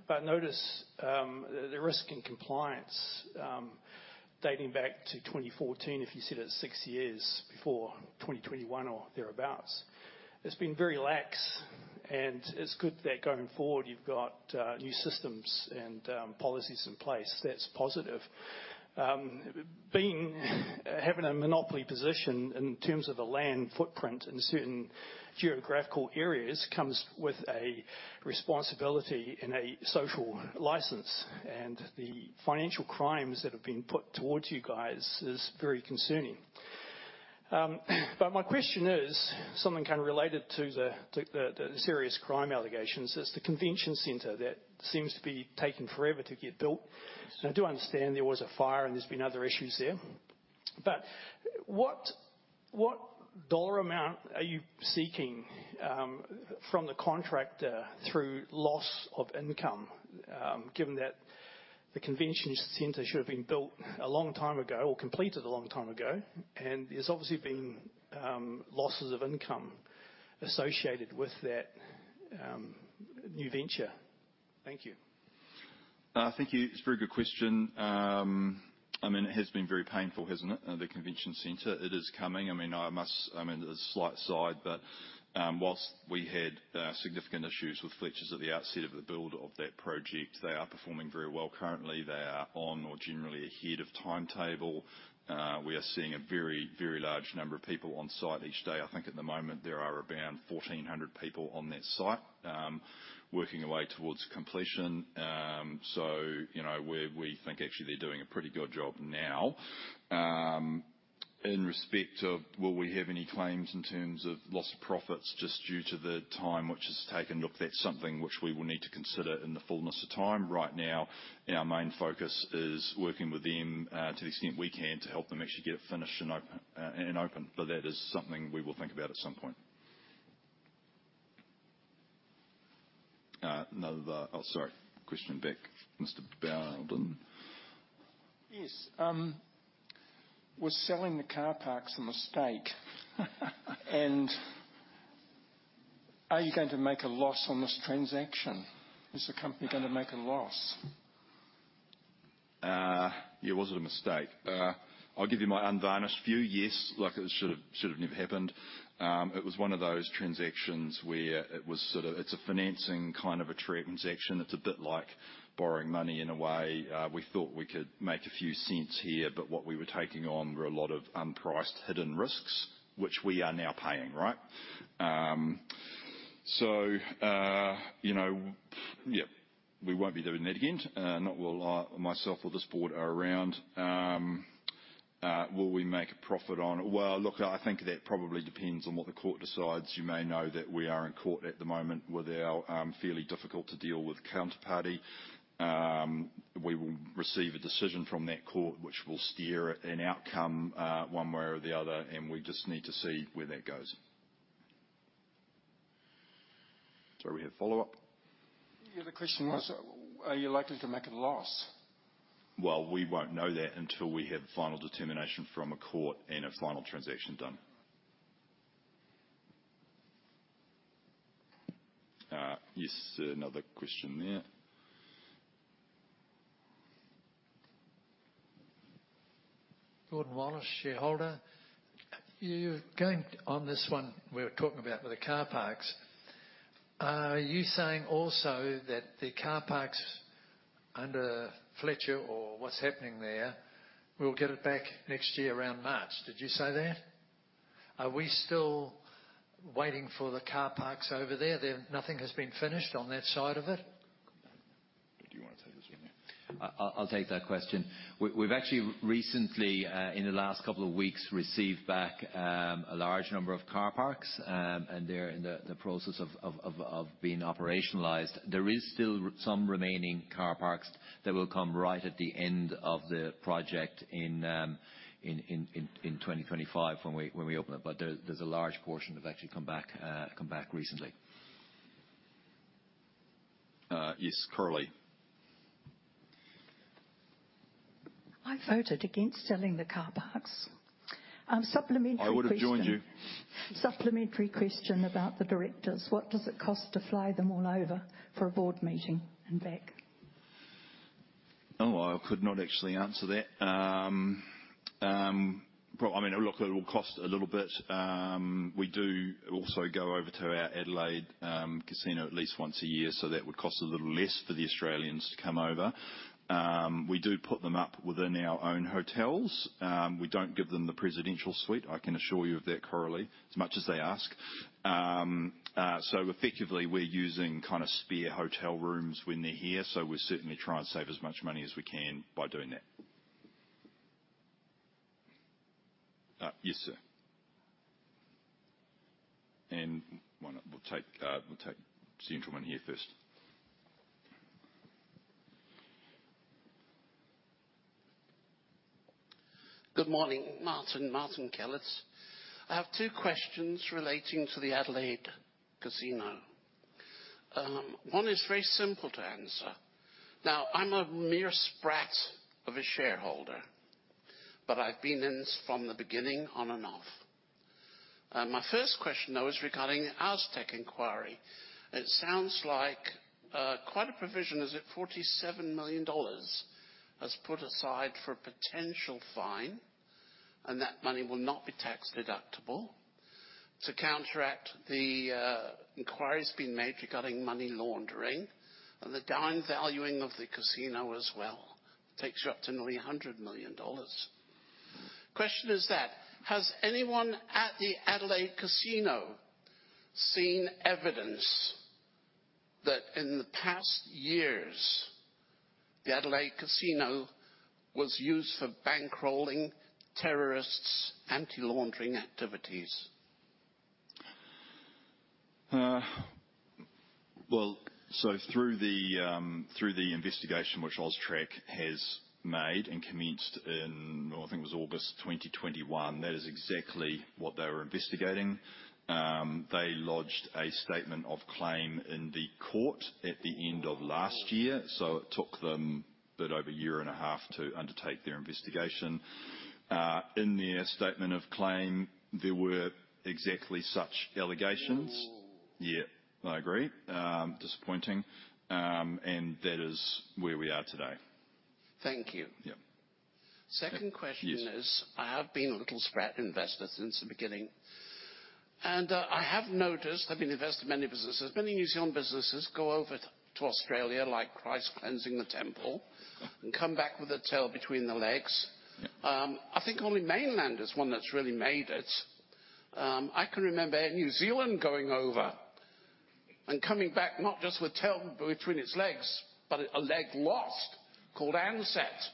but notice the risk and compliance dating back to 2014, if you said it's 6 years before 2021 or thereabouts. It's been very lax, and it's good that going forward, you've got new systems and policies in place. That's positive. Being, having a monopoly position in terms of the land footprint in certain geographical areas, comes with a responsibility and a social license, and the financial crimes that have been put toward you guys is very concerning. But my question is something kind of related to the serious crime allegations. It's the convention center that seems to be taking forever to get built. So I do understand there was a fire and there's been other issues there. But what dollar amount are you seeking from the contractor through loss of income? Given that the convention center should have been built a long time ago or completed a long time ago, and there's obviously been losses of income associated with that new venture. Thank you. Thank you. It's a very good question. I mean, it has been very painful, hasn't it? The convention center, it is coming. I mean, I must, I mean, it's a slight side, but, whilst we had significant issues with Fletchers at the outset of the build of that project, they are performing very well currently. They are on or generally ahead of timetable. We are seeing a very, very large number of people on site each day. I think at the moment there are around 1,400 people on that site, working their way towards completion. So, you know, we, we think actually they're doing a pretty good job now. In respect of will we have any claims in terms of loss of profits, just due to the time which has taken? Look, that's something which we will need to consider in the fullness of time. Right now, our main focus is working with them, to the extent we can, to help them actually get it finished and open, and open. But that is something we will think about at some point. Question back, Mr. Bowden. Yes, was selling the car parks a mistake? And are you going to make a loss on this transaction? Is the company gonna make a loss? Yeah. Was it a mistake? I'll give you my unvarnished view. Yes, like it should have never happened. It was one of those transactions where it was sort of... It's a financing kind of a transaction. It's a bit like borrowing money, in a way. We thought we could make a few cents here, but what we were taking on were a lot of unpriced, hidden risks, which we are now paying, right? So, you know, yeah, we won't be doing that again. Not while I, myself or this board are around. Will we make a profit on it? Well, look, I think that probably depends on what the court decides. You may know that we are in court at the moment with our fairly difficult to deal with counterparty. We will receive a decision from that court, which will steer an outcome, one way or the other, and we just need to see where that goes. Sorry, we had a follow-up? Yeah, the question was, are you likely to make a loss? Well, we won't know that until we have final determination from a court and a final transaction done. Yes, another question there. Gordon Wallace, shareholder. You're going on this one. We were talking about with the car parks. Are you saying also that the car parks under Fletcher or what's happening there? We'll get it back next year, around March? Did you say that? Are we still waiting for the car parks over there? There, nothing has been finished on that side of it. Do you want to take this one? I'll take that question. We've actually recently, in the last couple of weeks, received back a large number of car parks, and they're in the process of being operationalized. There is still some remaining car parks that will come right at the end of the project in 2025, when we open it. But there's a large portion that have actually come back recently. Yes, Curly.... I voted against selling the car parks. Supplementary question- I would have joined you. Supplementary question about the directors: What does it cost to fly them all over for a board meeting and back? Oh, I could not actually answer that. Well, I mean, look, it will cost a little bit. We do also go over to our Adelaide casino at least once a year, so that would cost a little less for the Australians to come over. We do put them up within our own hotels. We don't give them the presidential suite. I can assure you of that, Coralie, as much as they ask. So effectively, we're using kind of spare hotel rooms when they're here, so we certainly try and save as much money as we can by doing that. Yes, sir. And why not? We'll take, we'll take the gentleman here first. Good morning. Martin, Martin Kellett. I have two questions relating to the Adelaide Casino. One is very simple to answer. Now, I'm a mere sprat of a shareholder, but I've been in this from the beginning, on and off. My first question, though, is regarding AUSTRAC inquiry. It sounds like quite a provision, is it 47 million dollars, has put aside for a potential fine, and that money will not be tax deductible. To counteract the inquiry's been made regarding money laundering and the down valuing of the casino as well, takes you up to nearly 100 million dollars. Question is that, has anyone at the Adelaide Casino seen evidence that in the past years, the Adelaide Casino was used for bankrolling terrorists, anti-laundering activities? Well, so through the investigation, which AUSTRAC has made and commenced in, I think it was August 2021, that is exactly what they were investigating. They lodged a statement of claim in the court at the end of last year, so it took them a bit over a year and a half to undertake their investigation. In their statement of claim, there were exactly such allegations. Oh. Yeah, I agree. Disappointing. And that is where we are today. Thank you. Yeah. Second question- Yes. is, I have been a little sprat investor since the beginning, and I have noticed, I've been invested in many businesses. Many New Zealand businesses go over to Australia like Christ cleansing the temple and come back with their tail between the legs. I think only Mainland is one that's really made it. I can remember Air New Zealand going over and coming back, not just with tail between its legs, but a leg lost, called Ansett.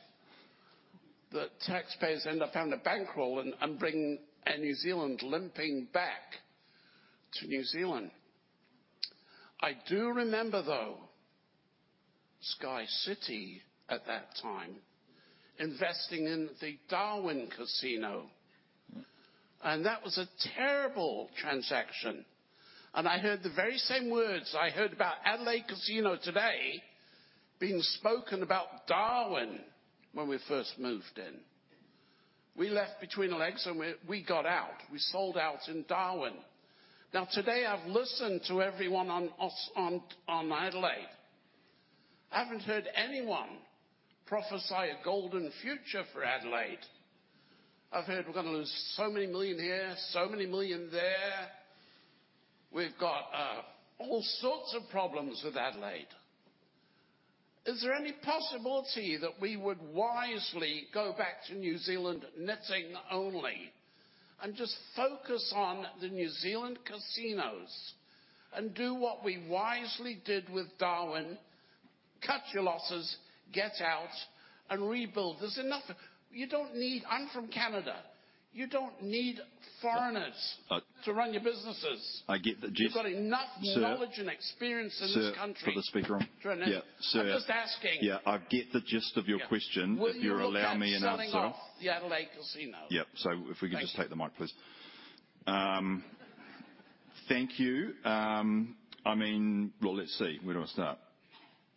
The taxpayers end up having to bankroll and bring Air New Zealand limping back to New Zealand. I do remember, though, SkyCity at that time investing in the Darwin Casino, and that was a terrible transaction. And I heard the very same words I heard about Adelaide Casino today being spoken about Darwin when we first moved in. We left between legs, and we got out. We sold out in Darwin. Now, today, I've listened to everyone on us, on, on Adelaide. I haven't heard anyone prophesy a golden future for Adelaide. I've heard we're gonna lose so many million here, so many million there. We've got all sorts of problems with Adelaide. Is there any possibility that we would wisely go back to New Zealand, netting only, and just focus on the New Zealand casinos and do what we wisely did with Darwin? Cut your losses, get out, and rebuild. There's enough... You don't need-- I'm from Canada. You don't need foreigners- Uh. to run your businesses. I get the gist. You've got enough- Sir. knowledge and experience in this country. Sir, put the speaker on. Sorry. Yeah, sir. I'm just asking. Yeah, I get the gist of your question. Yeah. If you'll allow me an answer. Would you look at selling off the Adelaide Casino? Yeah. So if we could- Thank you. Just take the mic, please. Thank you. I mean... Well, let's see. Where do I start?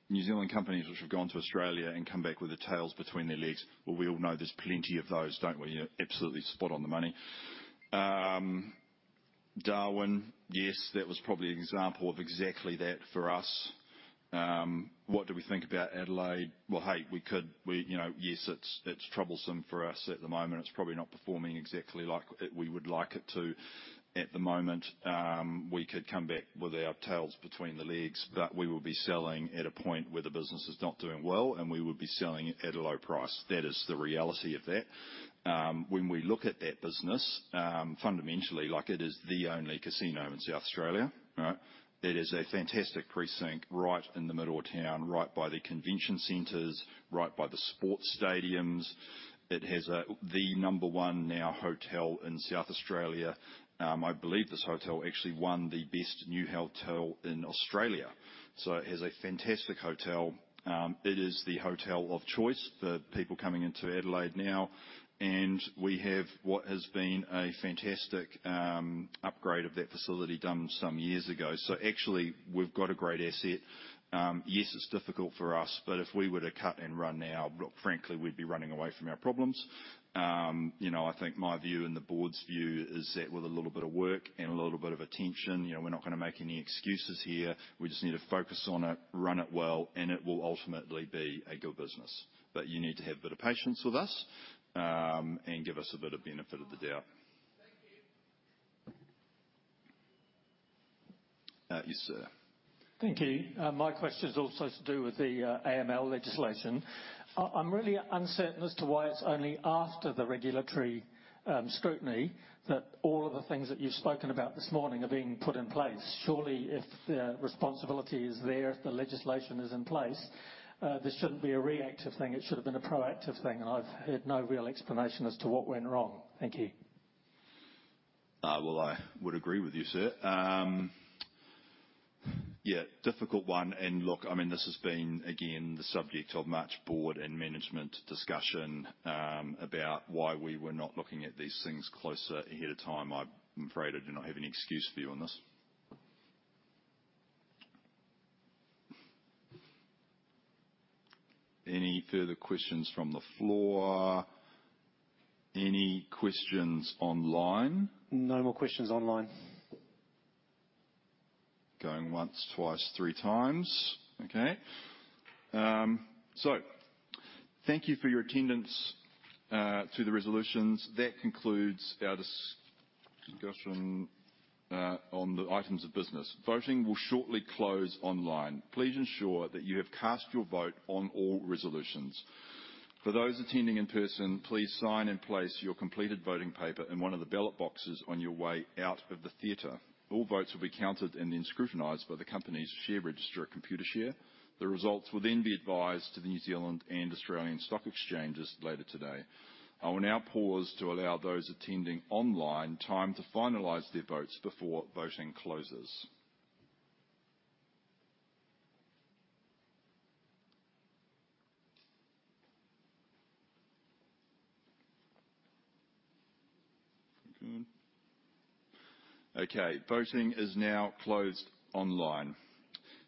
New Zealand companies which have gone to Australia and come back with their tails between their legs. Well, we all know there's plenty of those, don't we? You're absolutely spot on the money. Darwin, yes, that was probably an example of exactly that for us. What do we think about Adelaide? Well, hey, we could, we, you know, yes, it's, it's troublesome for us at the moment. It's probably not performing exactly like we would like it to at the moment. We could come back with our tails between the legs, but we would be selling at a point where the business is not doing well, and we would be selling at a low price. That is the reality of that. When we look at that business, fundamentally, like it is the only casino in South Australia, right? It is a fantastic precinct right in the middle of town, right by the convention centers, right by the sports stadiums. It has the number one hotel now in South Australia. I believe this hotel actually won the best new hotel in Australia. So it has a fantastic hotel. It is the hotel of choice for people coming into Adelaide now, and we have what has been a fantastic upgrade of that facility done some years ago. So actually, we've got a great asset. Yes, it's difficult for us, but if we were to cut and run now, frankly, we'd be running away from our problems. you know, I think my view and the board's view is that with a little bit of work and a little bit of attention, you know, we're not gonna make any excuses here. We just need to focus on it, run it well, and it will ultimately be a good business. But you need to have a bit of patience with us, and give us a bit of benefit of the doubt.... Thank you. My question is also to do with the AML legislation. I'm really uncertain as to why it's only after the regulatory scrutiny that all of the things that you've spoken about this morning are being put in place. Surely, if the responsibility is there, if the legislation is in place, this shouldn't be a reactive thing, it should have been a proactive thing, and I've heard no real explanation as to what went wrong. Thank you. Well, I would agree with you, sir. Yeah, difficult one, and look, I mean, this has been, again, the subject of much board and management discussion, about why we were not looking at these things closer ahead of time. I'm afraid I do not have any excuse for you on this. Any further questions from the floor? Any questions online? No more questions online. Going once, twice, three times. Okay. So thank you for your attendance to the resolutions. That concludes our discussion on the items of business. Voting will shortly close online. Please ensure that you have cast your vote on all resolutions. For those attending in person, please sign and place your completed voting paper in one of the ballot boxes on your way out of the theater. All votes will be counted and then scrutinized by the company's share registrar at Computershare. The results will then be advised to the New Zealand and Australian Stock Exchanges later today. I will now pause to allow those attending online time to finalize their votes before voting closes. Good. Okay, voting is now closed online.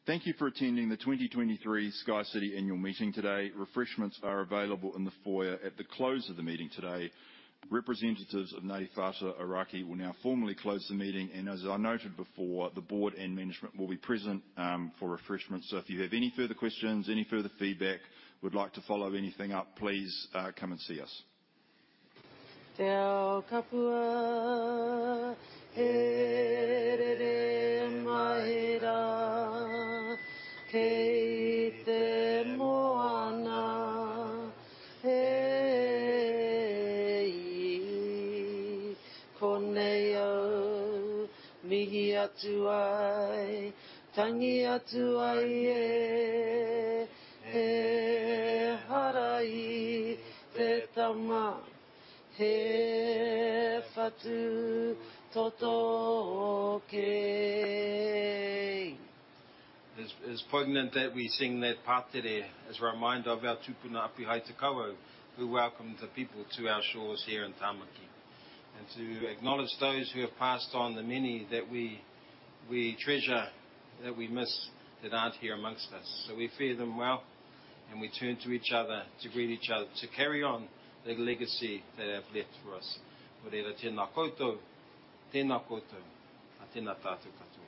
Thank you for attending the 2023 SkyCity Annual Meeting today. Refreshments are available in the foyer at the close of the meeting today. Representatives of Ngāti Whātua Ōrākei will now formally close the meeting, and as I noted before, the board and management will be present for refreshments. So if you have any further questions, any further feedback, would like to follow anything up, please come and see us. It's, it's poignant that we sing that pātere as a reminder of our tūpuna Āpihai Te Kawau, who welcomed the people to our shores here in Tāmaki. And to acknowledge those who have passed on, the many that we, we treasure, that we miss, that aren't here amongst us. So we fare them well, and we turn to each other, to greet each other, to carry on the legacy they have left for us. Tēnā koutou, tēnā koutou, tēnā tātou katoa.